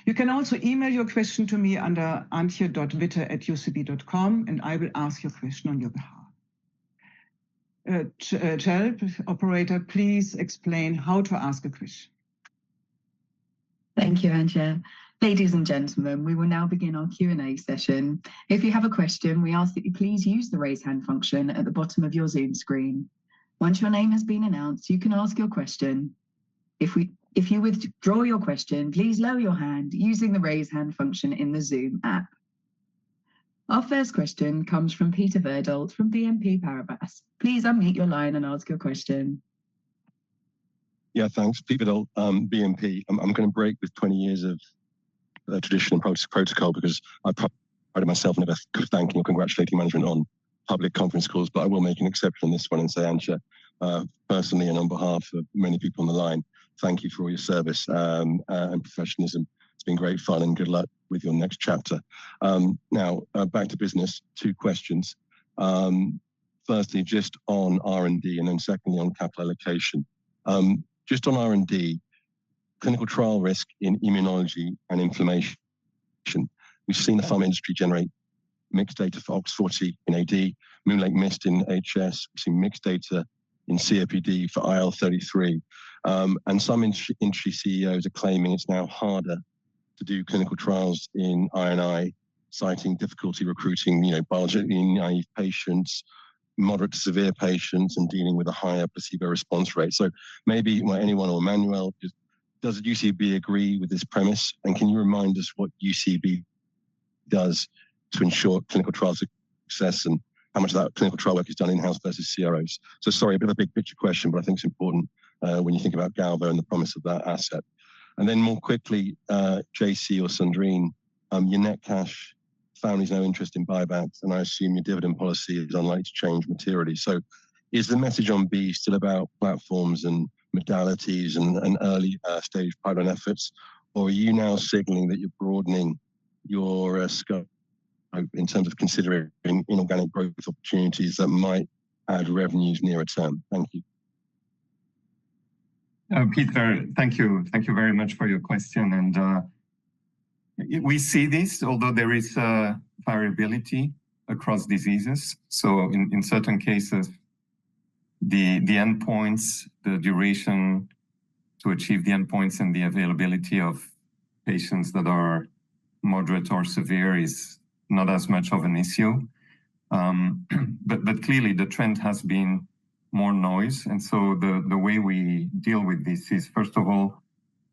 You can also email your question to me under antje.witte@ucb.com, and I will ask your question on your behalf. Kjell, operator, please explain how to ask a question. Thank you, Antje. Ladies and gentlemen, we will now begin our Q&A session. If you have a question, we ask that you please use the Raise Hand function at the bottom of your Zoom screen. Once your name has been announced, you can ask your question. If you withdraw your question, please lower your hand using the Raise Hand function in the Zoom app. Our first question comes from Peter Verdult from BNP Paribas. Please unmute your line and ask your question. Yeah, thanks. Peter Verdult, BNP. I'm gonna break with 20 years of traditional protocol because I, myself, never thank or congratulate management on public conference calls, I will make an exception on this one and say, Antje, personally and on behalf of many people on the line, thank you for all your service and professionalism. It's been great fun, good luck with your next chapter. Now, back to business, two questions. Firstly, just on R&D, secondly, on capital allocation. Just on R&D, clinical trial risk in immunology and inflammation. We've seen the pharma industry generate mixed data for OX40 in AD, MoonLake Immunotherapeutics in HS. We've seen mixed data in COPD for IL-33. Some industry CEOs are claiming it's now harder to do clinical trials in I&I, citing difficulty recruiting, you know, bio naive patients, moderate to severe patients, and dealing with a higher perceived response rate. Maybe, well, anyone or Emmanuel, just does UCB agree with this premise? Can you remind us what UCB does to ensure clinical trial success, and how much of that clinical trial work is done in-house versus CROs? Sorry, a bit of a big picture question, but I think it's important when you think about galvo and the promise of that asset. More quickly, JC or Sandrine, your net cash found is now interest in buybacks, and I assume your dividend policy is unlikely to change materially. Is the message on B still about platforms and modalities and early stage pipeline efforts, or are you now signalling that you're broadening your scope in terms of considering inorganic growth opportunities that might add revenues nearer term? Thank you. Peter, thank you. Thank you very much for your question, we see this, although there is a variability across diseases. In certain cases, the endpoints, the duration to achieve the endpoints and the availability of patients that are moderate or severe is not as much of an issue. Clearly the trend has been more noise, the way we deal with this is, first of all,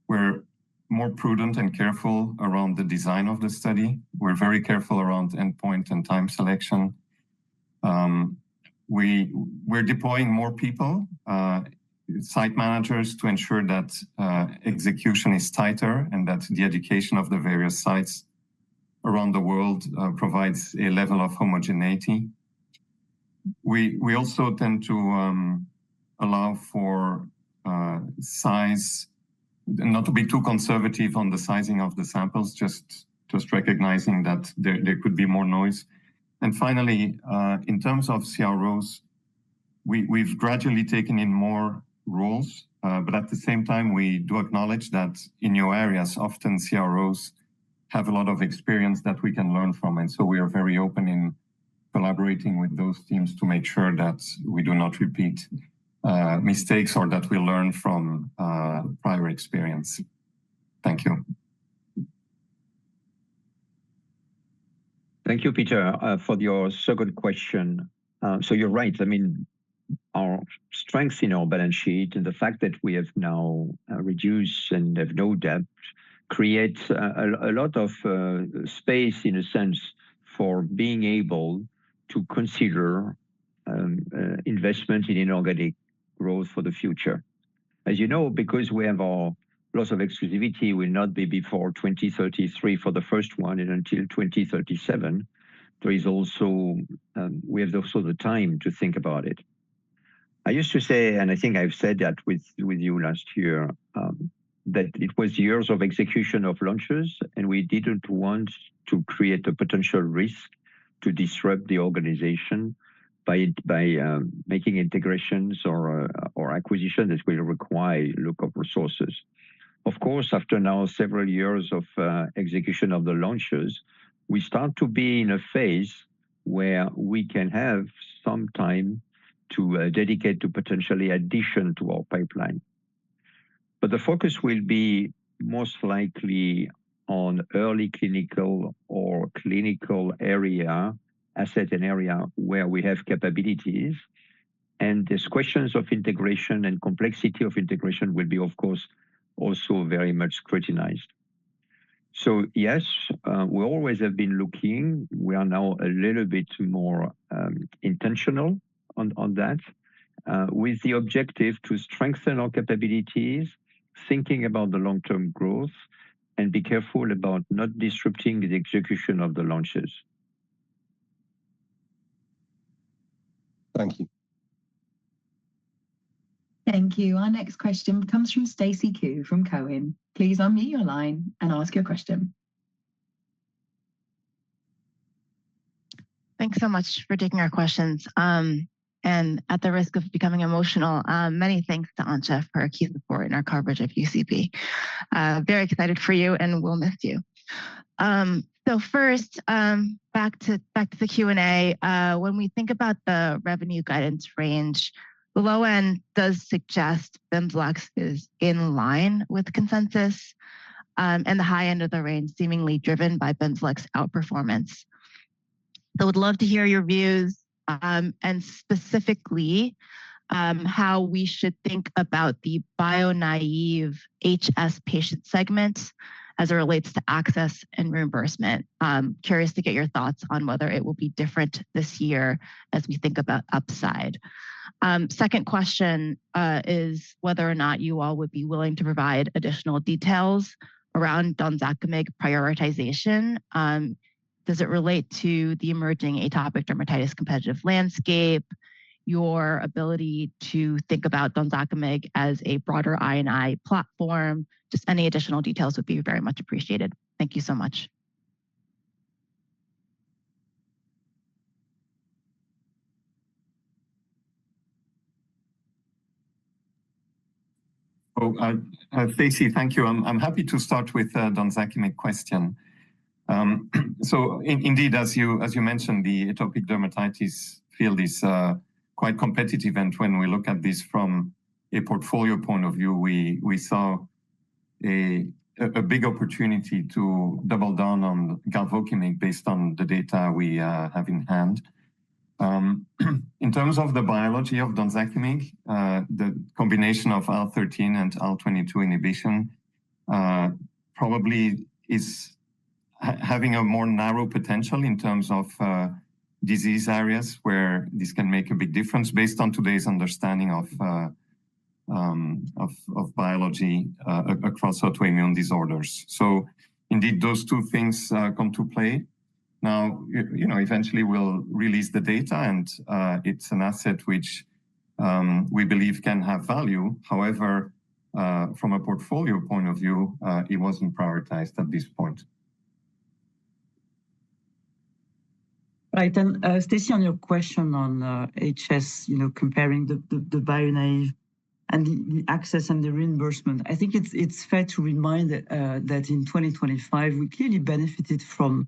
we're more prudent and careful around the design of the study. We're very careful around endpoint and time selection. We're deploying more people, site managers, to ensure that execution is tighter and that the education of the various sites around the world provides a level of homogeneity. We also tend to allow for size... not to be too conservative on the sizing of the samples, just recognizing that there could be more noise. Finally, in terms of CROs, we've gradually taken in more roles, but at the same time, we do acknowledge that in new areas, often CROs have a lot of experience that we can learn from. We are very open in collaborating with those teams to make sure that we do not repeat mistakes or that we learn from prior experience. Thank you. Thank you, Peter, for your so good question. You're right. I mean, our strength in our balance sheet and the fact that we have now reduced and have no debt, creates a lot of space in a sense, for being able to consider investment in inorganic growth for the future. As you know, because we have our loss of exclusivity will not be before 2033 for the first one and until 2037, there is also, we have also the time to think about it. I used to say, and I think I've said that with you last year, that it was years of execution of launches, and we didn't want to create a potential risk to disrupt the organization by making integrations or acquisition that's going to require a lot of resources. Of course, after now several years of execution of the launches, we start to be in a phase where we can have some time to dedicate to potentially addition to our pipeline. The focus will be most likely on early clinical or clinical area, asset and area where we have capabilities, and these questions of integration and complexity of integration will be, of course, also very much scrutinized. Yes, we always have been looking. We are now a little bit more intentional on that, with the objective to strengthen our capabilities, thinking about the long-term growth, and be careful about not disrupting the execution of the launches. Thank you. Thank you. Our next question comes from Stacy Ku from Cowen. Please unmute your line and ask your question. Thanks so much for taking our questions. And at the risk of becoming emotional, many thanks to Antje for her key support in our coverage of UCB. Very excited for you, and we'll miss you. First, back to the Q&A. When we think about the revenue guidance range, the low end does suggest Bimzelx is in line with consensus, and the high end of the range seemingly driven by Bimzelx's outperformance. I would love to hear your views, and specifically, how we should think about the bio naive HS patient segment as it relates to access and reimbursement. Curious to get your thoughts on whether it will be different this year as we think about upside. Second question, is whether or not you all would be willing to provide additional details around donzakimig prioritization. Does it relate to the emerging atopic dermatitis competitive landscape, your ability to think about donzakimig as a broader I&I platform? Just any additional details would be very much appreciated. Thank you so much. Oh, Stacy, thank you. I'm happy to start with donzakimig question. Indeed, as you, as you mentioned, the atopic dermatitis field is quite competitive, and when we look at this from a portfolio point of view, we saw a big opportunity to double down on galvokimig based on the data we have in hand. In terms of the biology of donzakimig, the combination of IL-13 and IL-22 inhibition probably is having a more narrow potential in terms of disease areas, where this can make a big difference based on today's understanding of biology across autoimmune disorders. Indeed, those two things come to play. Now, you know, eventually we'll release the data, and it's an asset which we believe can have value. However, from a portfolio point of view, it wasn't prioritized at this point. Right. Stacy, on your question on HS, you know, comparing the bio naive and the access and the reimbursement, I think it's fair to remind that in 2025, we clearly benefited from,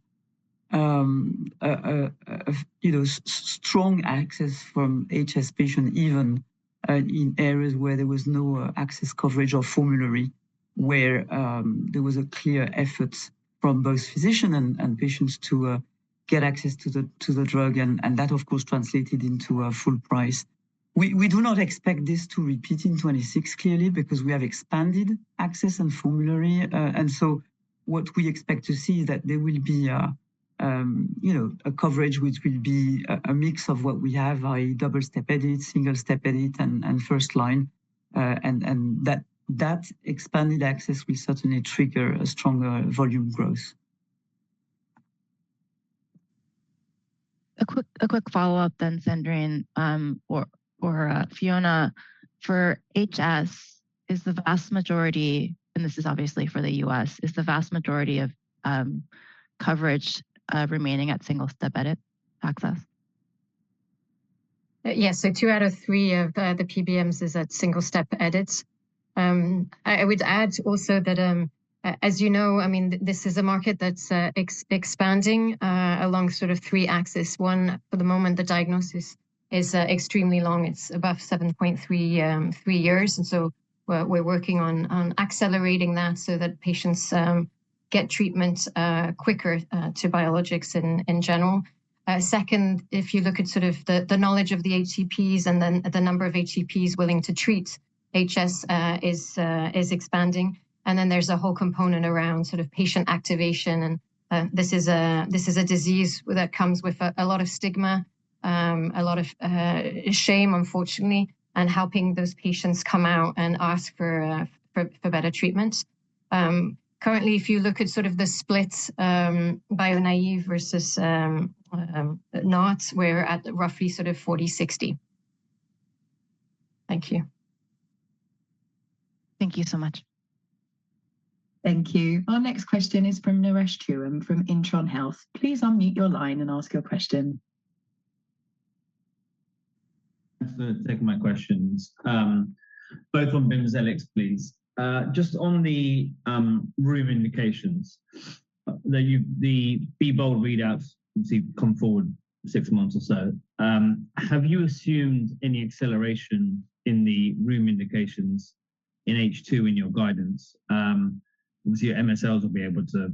you know, strong access from HS patient, even in areas where there was no access coverage or formulary, where there was a clear effort from both physician and patients to get access to the drug, and that, of course, translated into a full price. We do not expect this to repeat in 2026, clearly, because we have expanded access and formulary. What we expect to see is that there will be, you know, a coverage which will be a mix of what we have, i.e., double step edit, single step edit, first line. That expanded access will certainly trigger a stronger volume growth. A quick follow-up, Sandrine Dufour, or Fiona du Monceau. For HS, and this is obviously for the U.S., is the vast majority of coverage remaining at single step edit access? Two out of three of the PBMs is at single step edits. I would add also that, as you know, I mean, this is a market that's expanding along sort of three axes. One, for the moment, the diagnosis is extremely long. It's above 7.3 years. We're working on accelerating that so that patients get treatment quicker to biologics in general. Second, if you look at sort of the knowledge of the HCPs and then the number of HCPs willing to treat HS is expanding. There's a whole component around sort of patient activation, and this is a disease that comes with a lot of stigma, a lot of shame, unfortunately, and helping those patients come out and ask for better treatment. Currently, if you look at sort of the splits, bio-naive versus not, we're at roughly sort of 40, 60. Thank you. Thank you so much. Thank you. Our next question is from Naresh Chouhan from Intron Health. Please unmute your line and ask your question. Thanks for taking my questions. Both on Bimzelx, please. Just on the rheum indications, now, the BE BOLD readouts we've seen come forward six months or so. Have you assumed any acceleration in the rheum indications in H2 in your guidance? Obviously, your MSLs will be able to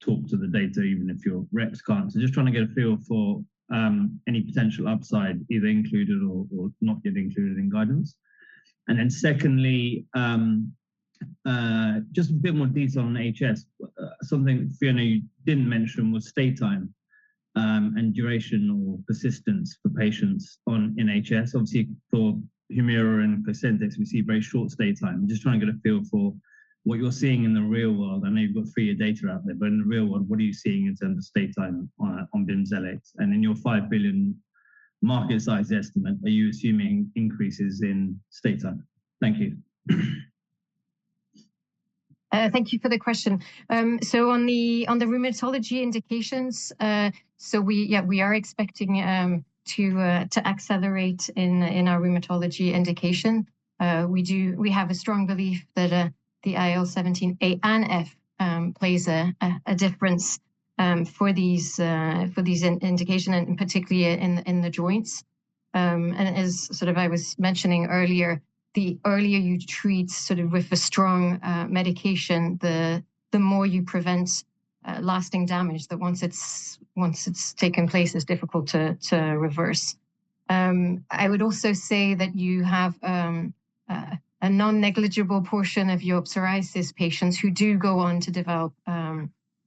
talk to the data, even if your reps can't. Just trying to get a feel for any potential upside, either included or not getting included in guidance. Secondly, just a bit more details on HS. Something, Fiona, you didn't mention was stay time, and duration or persistence for patients on NHS. Obviously, for Humira and Cosentyx, we see very short stay time. Just trying to get a feel for what you're seeing in the real world. I know you've got three-year data out there, but in the real world, what are you seeing in terms of stay time on Bimzelx? In your 5 billion market size estimate, are you assuming increases in stay time? Thank you. out rheumatology indications. We are expecting to accelerate in our rheumatology indication. We have a strong belief that the IL-17A and F plays a difference for these indications, particularly in the joints. As I was mentioning earlier, the earlier you treat with a strong medication, the more you prevent lasting damage that, once it has taken place, is difficult to reverse I would also say that you have a non-negligible portion of your psoriasis patients who do go on to develop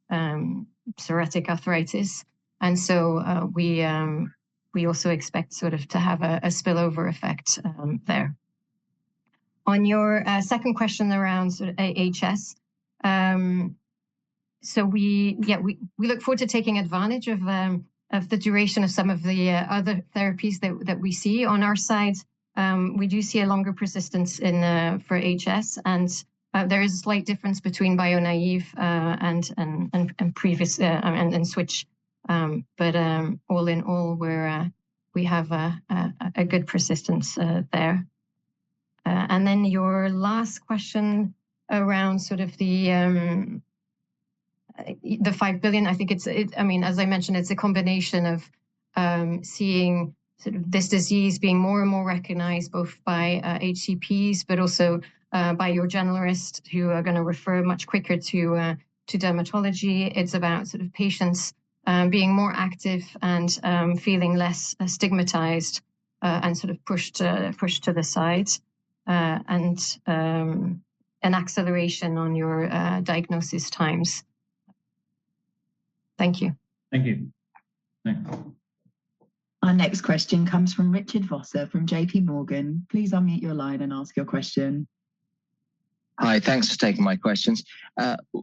psoriatic arthritis. We also expect sort of to have a spillover effect there. On your second question around sort of HS, yeah, we look forward to taking advantage of the duration of some of the other therapies that we see on our sides. We do see a longer persistence in for HS, and there is a slight difference between bio-naive and previous and switch. All in all, we're, we have a good persistence there. Your last question around sort of the $5 billion, I think it's, I mean, as I mentioned, it's a combination of seeing sort of this disease being more and more recognized both by HCPs, but also, by your generalists who are gonna refer much quicker to dermatology. It's about sort of patients being more active and feeling less stigmatized and sort of pushed to the side, and an acceleration on your diagnosis times. Thank you. Thank you. Thanks. Our next question comes from Richard Vosser from JPMorgan. Please unmute your line and ask your question. Hi, thanks for taking my questions.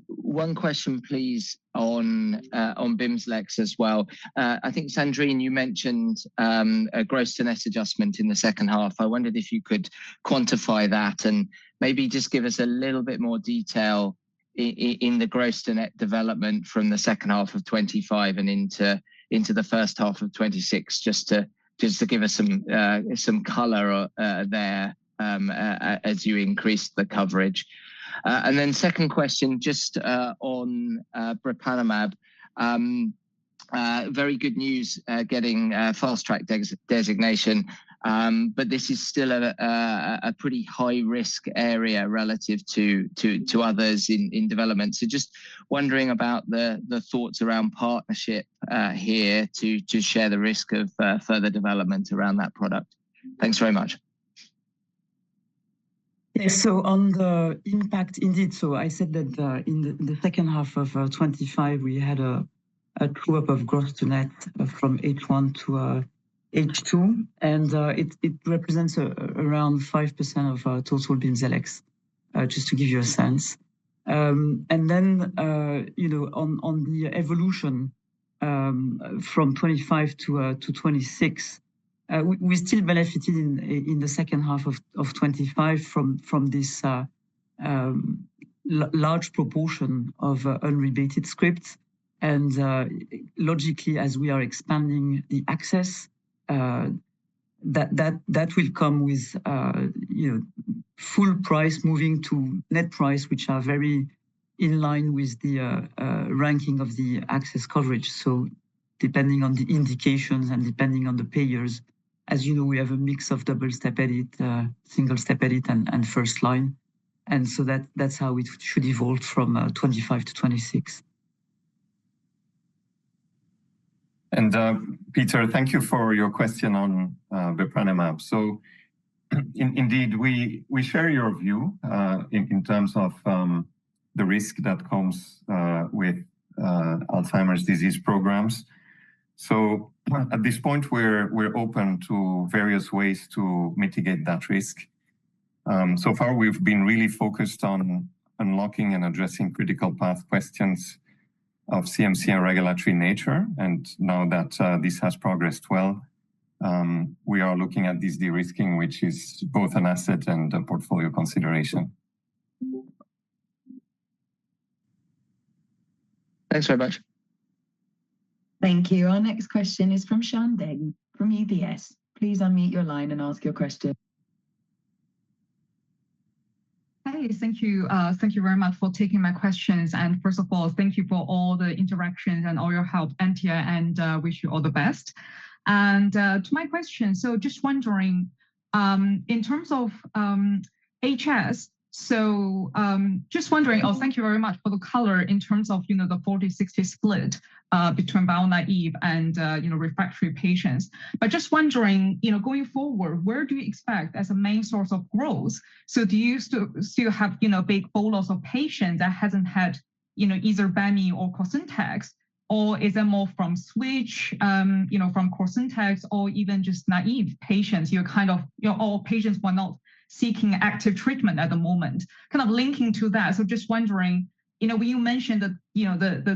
one question please, on Bimzelx as well. I think, Sandrine, you mentioned a gross-to-net adjustment in the second half. I wondered if you could quantify that and maybe just give us a little bit more detail in the gross-to-net development from the second half of 2025 and into the first half of 2026, just to give us some color there as you increase the coverage. Second question, just on bepranemab. very good news getting a Fast Track designation, but this is still a pretty high-risk area relative to others in development. Just wondering about the thoughts around partnership, here, to share the risk of, further development around that product. Thanks very much. On the impact, indeed, so I said that in the second half of 25, we had a crew up of gross-to-net from H1 to H2, and it represents around 5% of our total Bimzelx, just to give you a sense. You know, on the evolution from 25 to 26, we still benefited in the second half of 25 from this large proportion of unrebated scripts, and logically, as we are expanding the access, that will come with, you know, full price moving to net price, which are very in line with the ranking of the access coverage. Depending on the indications and depending on the payers, as you know, we have a mix of double-step edit, single-step edit, and first line, and that's how it should evolve from 2025 to 2026. Peter, thank you for your question on bepranemab. Indeed, we share your view in terms of the risk that comes with Alzheimer's disease programs. At this point, we're open to various ways to mitigate that risk. So far, we've been really focused on unlocking and addressing critical path questions of CMC and regulatory nature, and now that this has progressed well, we are looking at this de-risking, which is both an asset and a portfolio consideration. Thanks very much. Thank you. Our next question is from Xian Deng, from UBS. Please unmute your line and ask your question. Hey, thank you. Thank you very much for taking my questions. First of all, thank you for all the interactions and all your help, Antje, and wish you all the best. To my question, just wondering in terms of HS. Thank you very much for the color in terms of, you know, the 40-60 split between bio naive and, you know, refractory patients. Just wondering, you know, going forward, where do you expect as a main source of growth? Do you still have, you know, big bolus of patients that hasn't had, you know, either BAMI or Cosentyx, or is it more from switch, you know, from Cosentyx or even just naive patients, you're kind of, you know, all patients who are not seeking active treatment at the moment? Kind of linking to that, you know, when you mentioned that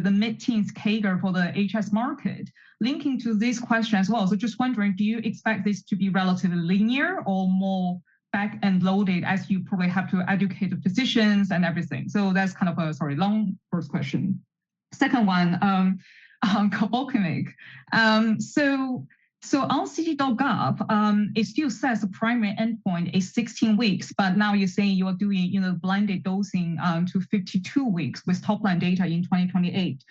the mid-teens CAGR for the HS market, linking to this question as well. Do you expect this to be relatively linear or more back-end loaded, as you probably have to educate the physicians and everything? That's kind of a, sorry, long first question. Second one, on doxecitine. On clinicaltrials.gov, it still says the primary endpoint is 16 weeks, but now you're saying you're doing, you know, blinded dosing, to 52 weeks with top-line data in 2028.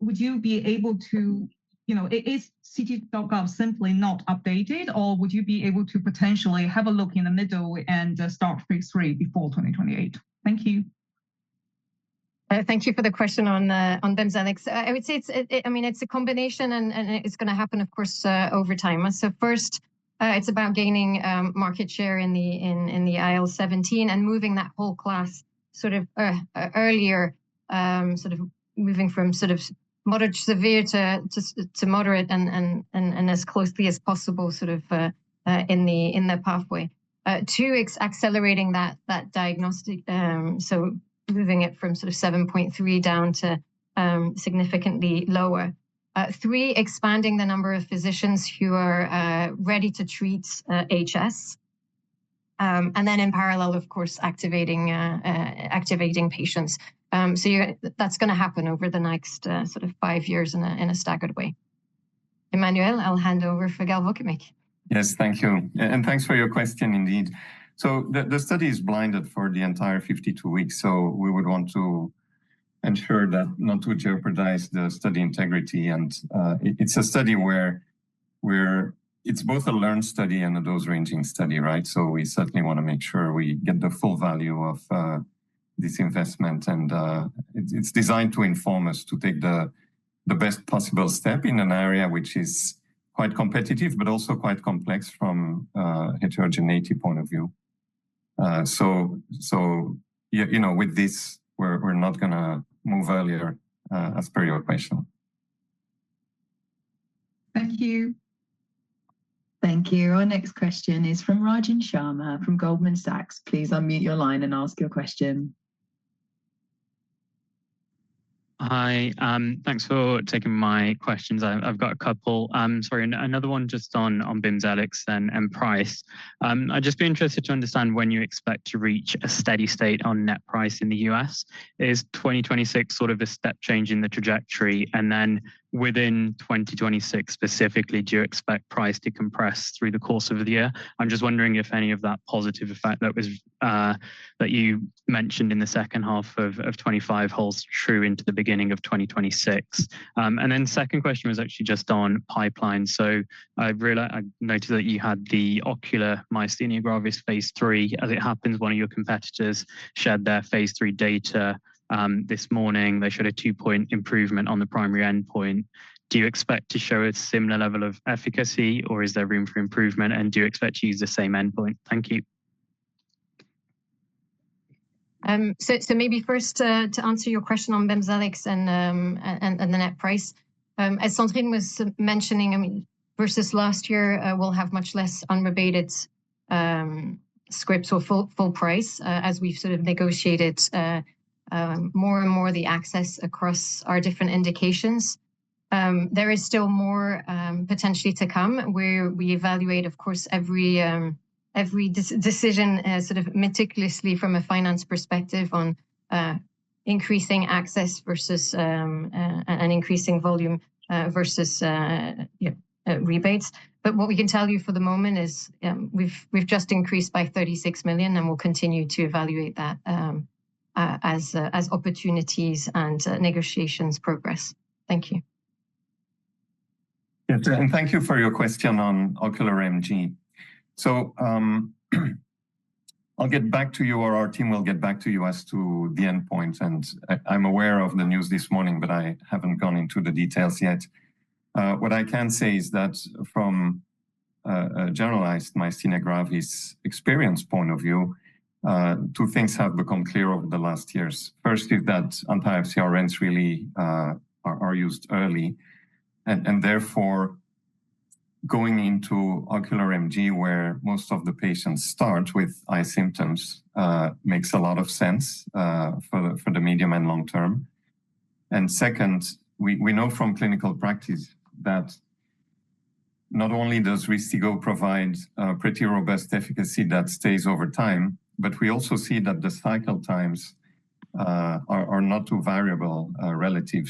Would you be able to, you know... Is clinicaltrials.gov simply not updated, or would you be able to potentially have a look in the middle and start phase III before 2028? Thank you. Thank you for the question on Bimzelx. I would say I mean, it's a combination, and it's gonna happen, of course, over time. First, it's about gaining market share in the IL-17 and moving that whole class sort of earlier, sort of moving from sort of moderate to severe to just, to moderate and as closely as possible, sort of in the pathway. Two, accelerating that diagnostic, so moving it from sort of 7.3 down to significantly lower. Three, expanding the number of physicians who are ready to treat HS In parallel, of course, activating patients. That's going to happen over the next sort of five years in a staggered way. Emmanuel, I'll hand over for galvokimig. Yes, thank you. Thanks for your question indeed. The study is blinded for the entire 52 weeks, we would want to ensure that not to jeopardize the study integrity. It's a study where it's both a learned study and a dose-ranging study, right? We certainly want to make sure we get the full value of this investment. It's designed to inform us to take the best possible step in an area which is quite competitive, but also quite complex from a heterogeneity point of view. Yeah, you know, with this, we're not going to move earlier, as per your question. Thank you. Thank you. Our next question is from Rajan Sharma from Goldman Sachs. Please unmute your line and ask your question. Hi, thanks for taking my questions. I've got a couple. Sorry, another one just on Bimzelx and price. I'd just be interested to understand when you expect to reach a steady state on net price in the U.S. Is 2026 sort of a step change in the trajectory? Within 2026 specifically, do you expect price to compress through the course of the year? I'm just wondering if any of that positive effect that was that you mentioned in the second half of 25 holds true into the beginning of 2026. Second question was actually just on pipeline. I noticed that you had the ocular myasthenia gravis phase III. As it happens, one of your competitors shared their phase III data this morning. They showed a two-point improvement on the primary endpoint. Do you expect to show a similar level of efficacy, or is there room for improvement, and do you expect to use the same endpoint? Thank you. Maybe first, to answer your question on Bimzelx and the net price. As Sandrine was mentioning, I mean, versus last year, we'll have much less unrebated scripts or full price, as we've sort of negotiated more and more the access across our different indications. There is still more potentially to come, where we evaluate, of course, every decision sort of meticulously from a finance perspective on increasing access versus and increasing volume versus rebates. What we can tell you for the moment is, we've just increased by 36 million, and we'll continue to evaluate that as opportunities and negotiations progress. Thank you. Thank you for your question on ocular MG. I'll get back to you, or our team will get back to you as to the endpoint. I'm aware of the news this morning, but I haven't gone into the details yet. What I can say is that from a generalized myasthenia gravis experience point of view, two things have become clear over the last years. Firstly, that anti-FcRNs really are used early. Therefore, going into ocular MG, where most of the patients start with eye symptoms, makes a lot of sense for the medium and long term. Second, we know from clinical practice that not only does Rystiggo provide a pretty robust efficacy that stays over time, but we also see that the cycle times are not too variable, relative.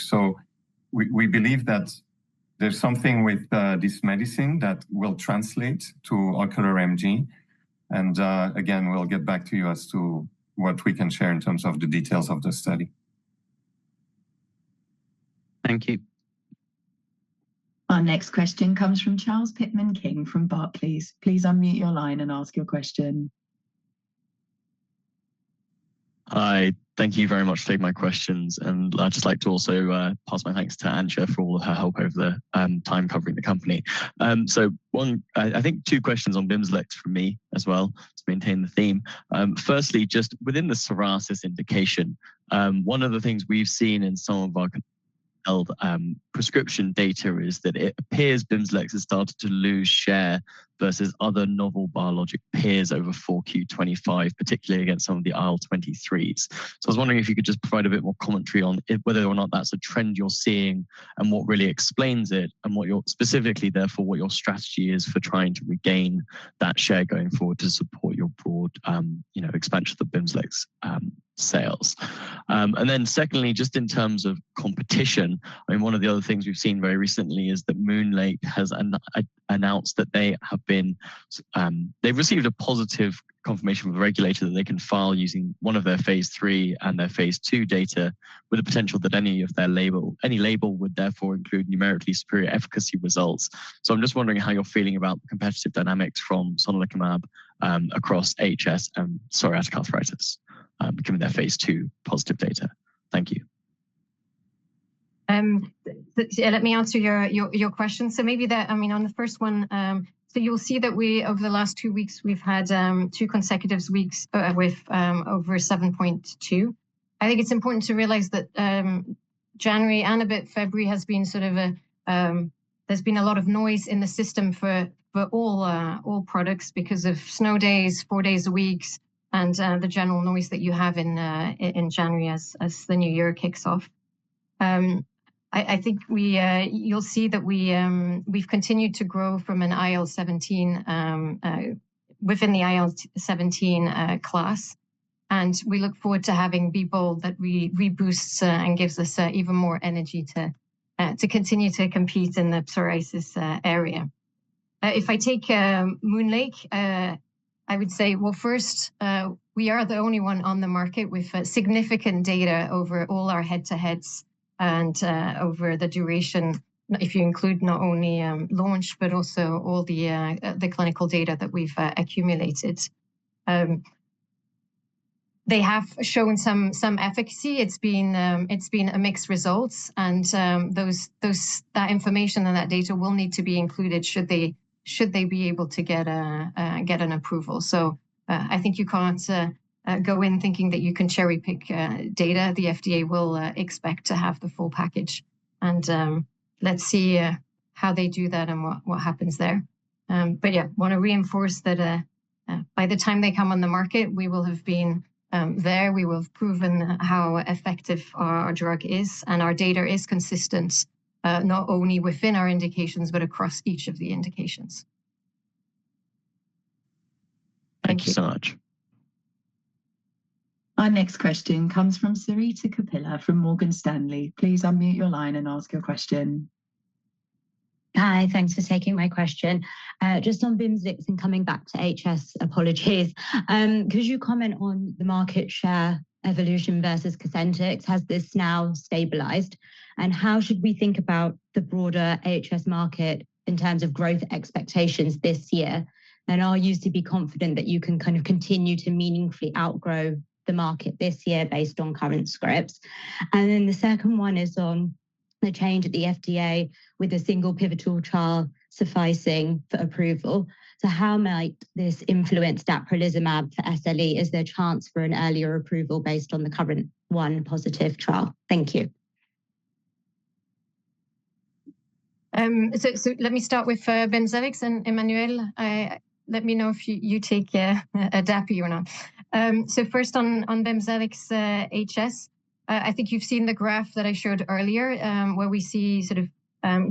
We believe that there's something with this medicine that will translate to ocular MG, and again, we'll get back to you as to what we can share in terms of the details of the study. Thank you. Our next question comes from Charles Pitman-King, from Barclays. Please unmute your line and ask your question. Hi, thank you very much for taking my questions. I'd just like to also pass my thanks to Antje for all her help over the time covering the company. I think two questions on Bimzelx from me as well to maintain the theme. Firstly, just within the psoriasis indication, one of the things we've seen in some of our prescription data is that it appears Bimzelx has started to lose share versus other novel biologic peers over 4Q 2025, particularly against some of the IL-23s. I was wondering if you could just provide a bit more commentary on if whether or not that's a trend you're seeing and what really explains it, and what your strategy is for trying to regain that share going forward to support your broad, you know, expansion of the Bimzelx sales. Secondly, just in terms of competition, I mean, one of the other things we've seen very recently is that MoonLake has announced that they have been. They've received a positive confirmation from the regulator that they can file using one of their phase III and their phase II data, with the potential that any label would therefore include numerically superior efficacy results. I'm just wondering how you're feeling about the competitive dynamics from solanezumab, across HS and psoriatic arthritis, given their phase II positive data. Thank you. let me answer your question. Maybe the, I mean, on the first one, you'll see that we, over the last two weeks, we've had, two consecutive weeks, with over 7.2. I think it's important to realize that January and a bit February has been sort of a. There's been a lot of noise in the system for all products because of snow days, four days a week, and the general noise that you have in January as the new year kicks off. e look forward to having people that reboosts and gives us even more energy to continue to compete in the psoriasis area. If I take MoonLake, I would say, well, first, we are the only one on the market with significant data over all our head-to-heads and over the duration, if you include not only launch, but also all the clinical data that we've accumulated. They have shown some efficacy. It's been a mixed results, and that information and that data will need to be included should they be able to get an approval I think you can't go in thinking that you can cherry-pick data. The FDA will expect to have the full package. Let's see how they do that and what happens there. Yeah, want to reinforce that by the time they come on the market, we will have been there. We will have proven how effective our drug is, and our data is consistent not only within our indications but across each of the indications. Thank you so much. Our next question comes from Sarita Kapila, from Morgan Stanley. Please unmute your line and ask your question. Hi, thanks for taking my question. Just on Bimzelx and coming back to HS, apologies. Could you comment on the market share evolution versus Cosentyx? Has this now stabilized, and how should we think about the broader HS market in terms of growth expectations this year? Are you to be confident that you can continue to meaningfully outgrow the market this year based on current scripts? The second one is on the change at the FDA with a single pivotal trial sufficing for approval. How might this influence daprilizumab for SLE? Is there a chance for an earlier approval based on the current one positive trial? Thank you. Let me start with Bimzelx and Emmanuel. Let me know if you take Dapi or not. First on Bimzelx, HS, I think you've seen the graph that I showed earlier, where we see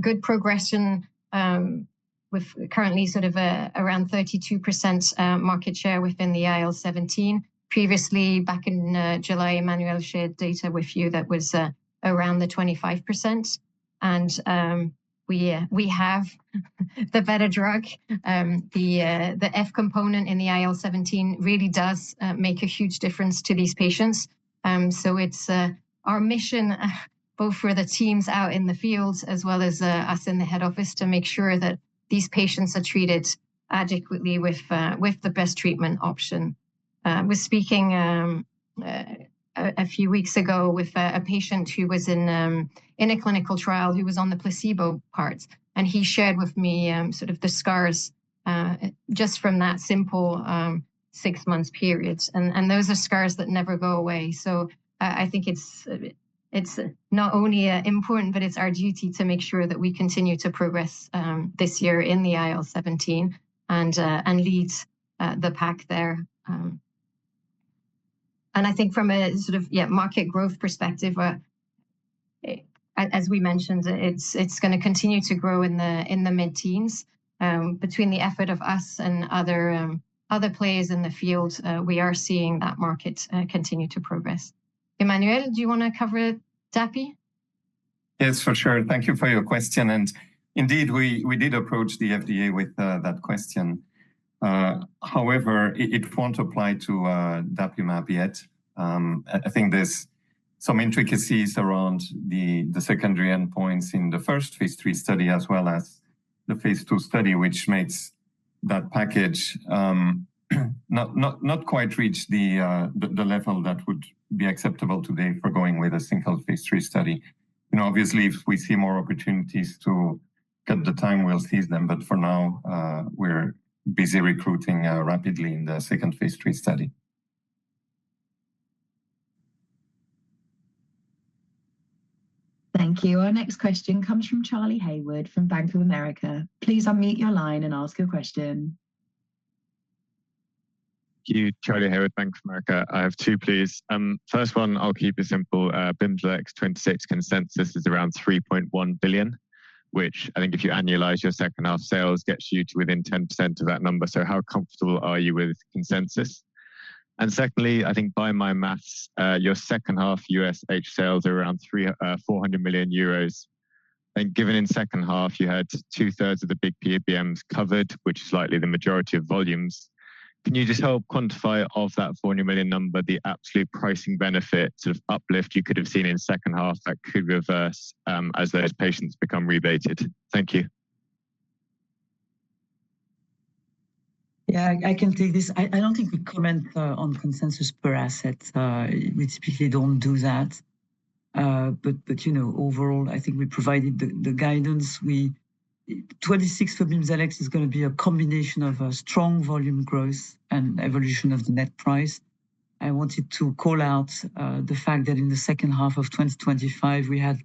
good progression with currently around 32% market share within the IL-17. Previously, back in July, Emmanuel shared data with you that was around the 25%. We have the better drug. The F component in the IL-17 really does make a huge difference to these patients. It's our mission, both for the teams out in the field as well as us in the head office, to make sure that these patients are treated adequately with the best treatment option. Was speaking a few weeks ago with a patient who was in a clinical trial, who was on the placebo parts, and he shared with me sort of the scars just from that simple six months period. Those are scars that never go away. I think it's not only important, but it's our duty to make sure that we continue to progress this year in the IL-17 and lead the pack there. I think from a sort of, yeah, market growth perspective, as we mentioned, it's gonna continue to grow in the mid-teens. Between the effort of us and other players in the field, we are seeing that market continue to progress. Emmanuel, do you wanna cover Dapi? Yes, for sure. Thank you for your question. Indeed, we did approach the FDA with that question. It won't apply to dapimab yet. I think there's some intricacies around the secondary endpoints in the first phase III study as well as the phase II study, which makes that package, not quite reach the level that would be acceptable today for going with a single phase III study. You know, obviously, if we see more opportunities to cut the time, we'll seize them. For now, we're busy recruiting rapidly in the second phase III study. Thank you. Our next question comes from Charlie Haywood from Bank of America. Please unmute your line and ask your question. Thank you. Charlie Haywood, Bank of America. I have two, please. First one, I'll keep it simple. Bimzelx 26 consensus is around 3.1 billion, which I think if you annualize your second half sales, gets you to within 10% of that number. How comfortable are you with consensus? Secondly, I think by my maths, your second half U.S. sales are around 400 million euros. Given in second half, you had 2/3 of the big PBMs covered, which is likely the majority of volumes. Can you just help quantify of that 400 million number, the absolute pricing benefit, sort of uplift you could have seen in second half that could reverse, as those patients become rebated? Thank you. Yeah, I can take this. I don't think we comment on consensus per asset. We typically don't do that. You know, overall, I think we provided the guidance. 26 for Bimzelx is gonna be a combination of a strong volume growth and evolution of the net price. I wanted to call out the fact that in the second half of 2025, we had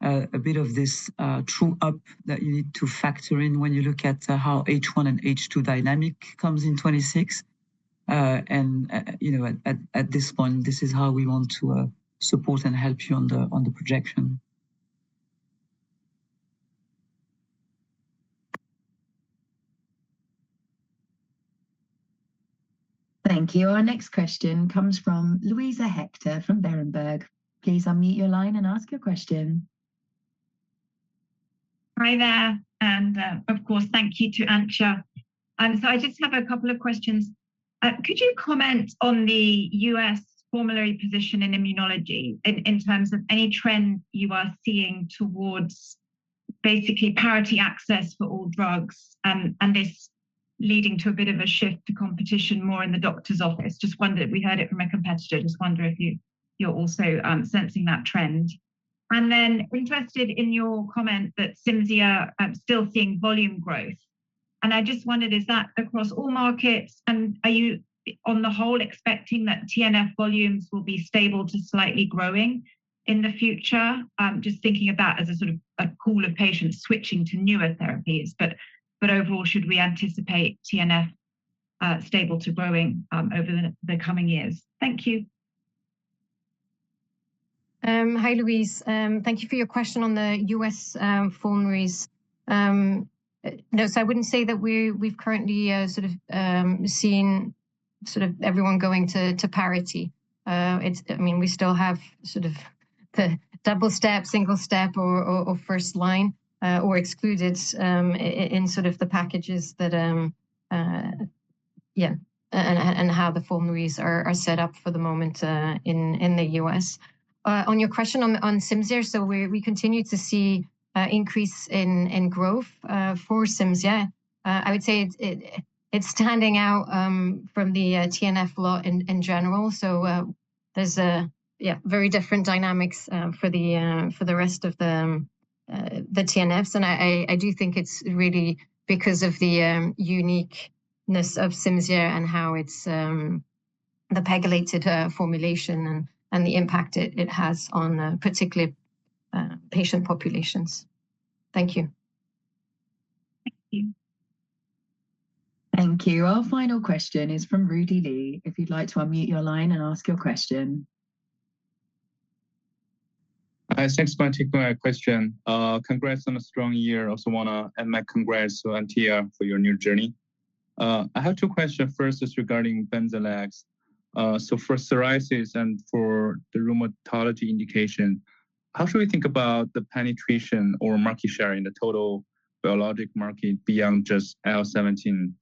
a bit of this true up that you need to factor in when you look at how H1 and H2 dynamic comes in 26.... and, you know, at this point, this is how we want to support and help you on the projection. Thank you. Our next question comes from Luisa Hector from Berenberg. Please unmute your line and ask your question. Hi there, of course, thank you to Antje Witte. I just have a couple of questions. Could you comment on the U.S. formulary position in immunology in terms of any trend you are seeing towards basically parity access for all drugs and this leading to a bit of a shift to competition more in the doctor's office? Just wondered. We heard it from a competitor. Just wonder if you're also sensing that trend. Then interested in your comment that Cimzia still seeing volume growth. I just wondered, is that across all markets? Are you, on the whole, expecting that TNF volumes will be stable to slightly growing in the future? Just thinking of that as a sort of a pool of patients switching to newer therapies. Overall, should we anticipate TNF, stable to growing, over the coming years? Thank you. Hi, Luisa. Thank you for your question on the U.S. formularies. No, I wouldn't say that we've currently seen everyone going to parity. I mean, we still have the double step, single step, or first line, or excluded in the packages that and how the formularies are set up for the moment in the U.S. On your question on Cimzia, we continue to see increase in growth for Cimzia. I would say it's standing out from the TNF lot in general. There's very different dynamics for the rest of the TNFs. I do think it's really because of the uniqueness of Cimzia and how it's the pegylated formulation and the impact it has on particular patient populations. Thank you. Thank you. Thank you. Our final question is from Rudy Lee. If you'd like to unmute your line and ask your question. Hi, thanks for taking my question. Congrats on a strong year. Also want to add my congrats to Antje for your new journey. I have two questions. First is regarding Bimzelx. For psoriasis and for the rheumatology indication, how should we think about the penetration or market share in the total biologic market beyond just IL-17?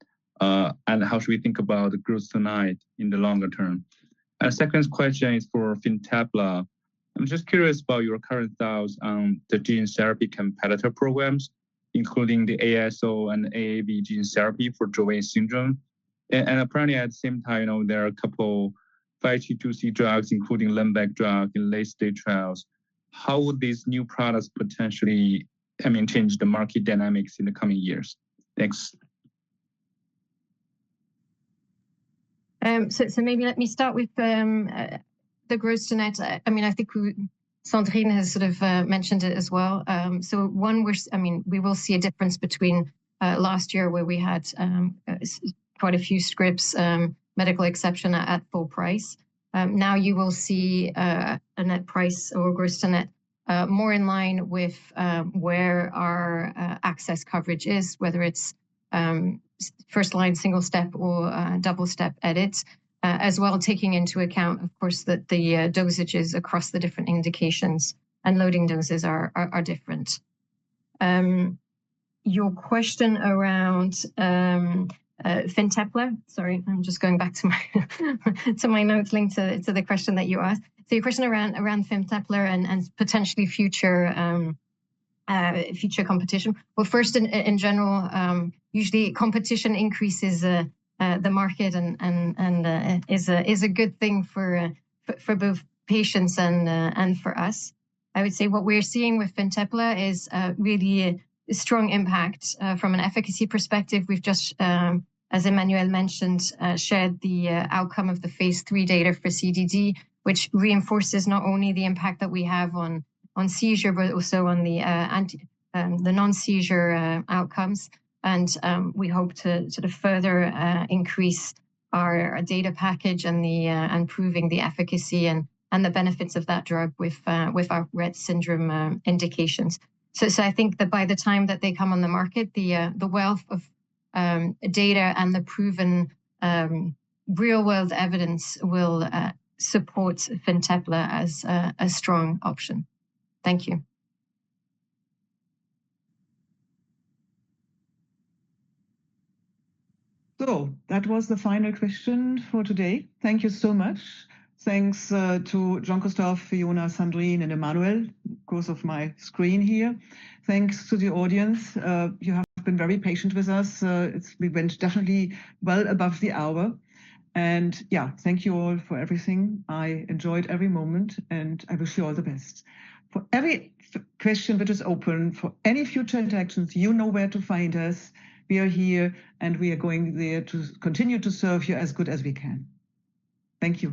How should we think about the gross-to-net in the longer term? Second question is for Fintepla. I'm just curious about your current thoughts on the gene therapy competitor programs, including the ASO and AAV gene therapy for Duchenne syndrome. Apparently, at the same time, you know, there are a couple FY 2022 C drugs, including Lindbergh drug, in late-stage trials. How would these new products potentially, I mean, change the market dynamics in the coming years? Thanks. Maybe let me start with the gross tonight. I mean, I think Sandrine has sort of mentioned it as well. One, I mean, we will see a difference between last year, where we had quite a few scripts, medical exception at full price. Now you will see a net price or gross net more in line with where our access coverage is, whether it's first line, single step or double step edits. As well, taking into account, of course, that the dosages across the different indications and loading doses are different. Your question around Fintepla. Sorry, I'm just going back to my notes linked to the question that you asked. Your question around Fintepla and potentially future future competition. First, in general, usually competition increases the market and is a good thing for both patients and for us. I would say what we're seeing with Fintepla is really a strong impact from an efficacy perspective. We've just as Emmanuel mentioned, shared the outcome of the phase III data for CDD, which reinforces not only the impact that we have on seizure, but also on the anti- the non-seizure outcomes. We hope to sort of further increase our data package and proving the efficacy and the benefits of that drug with our Rett syndrome indications. I think that by the time that they come on the market, the wealth of data and the proven real-world evidence will support Fintepla as a strong option. Thank you. That was the final question for today. Thank you so much. Thanks to Jean-Christophe, Fiona, Sandrine, and Emmanuel, of course, of my screen here. Thanks to the audience. You have been very patient with us. We went definitely well above the hour. Yeah, thank you all for everything. I enjoyed every moment, and I wish you all the best. For every question which is open, for any future interactions, you know where to find us. We are here, and we are going there to continue to serve you as good as we can. Thank you.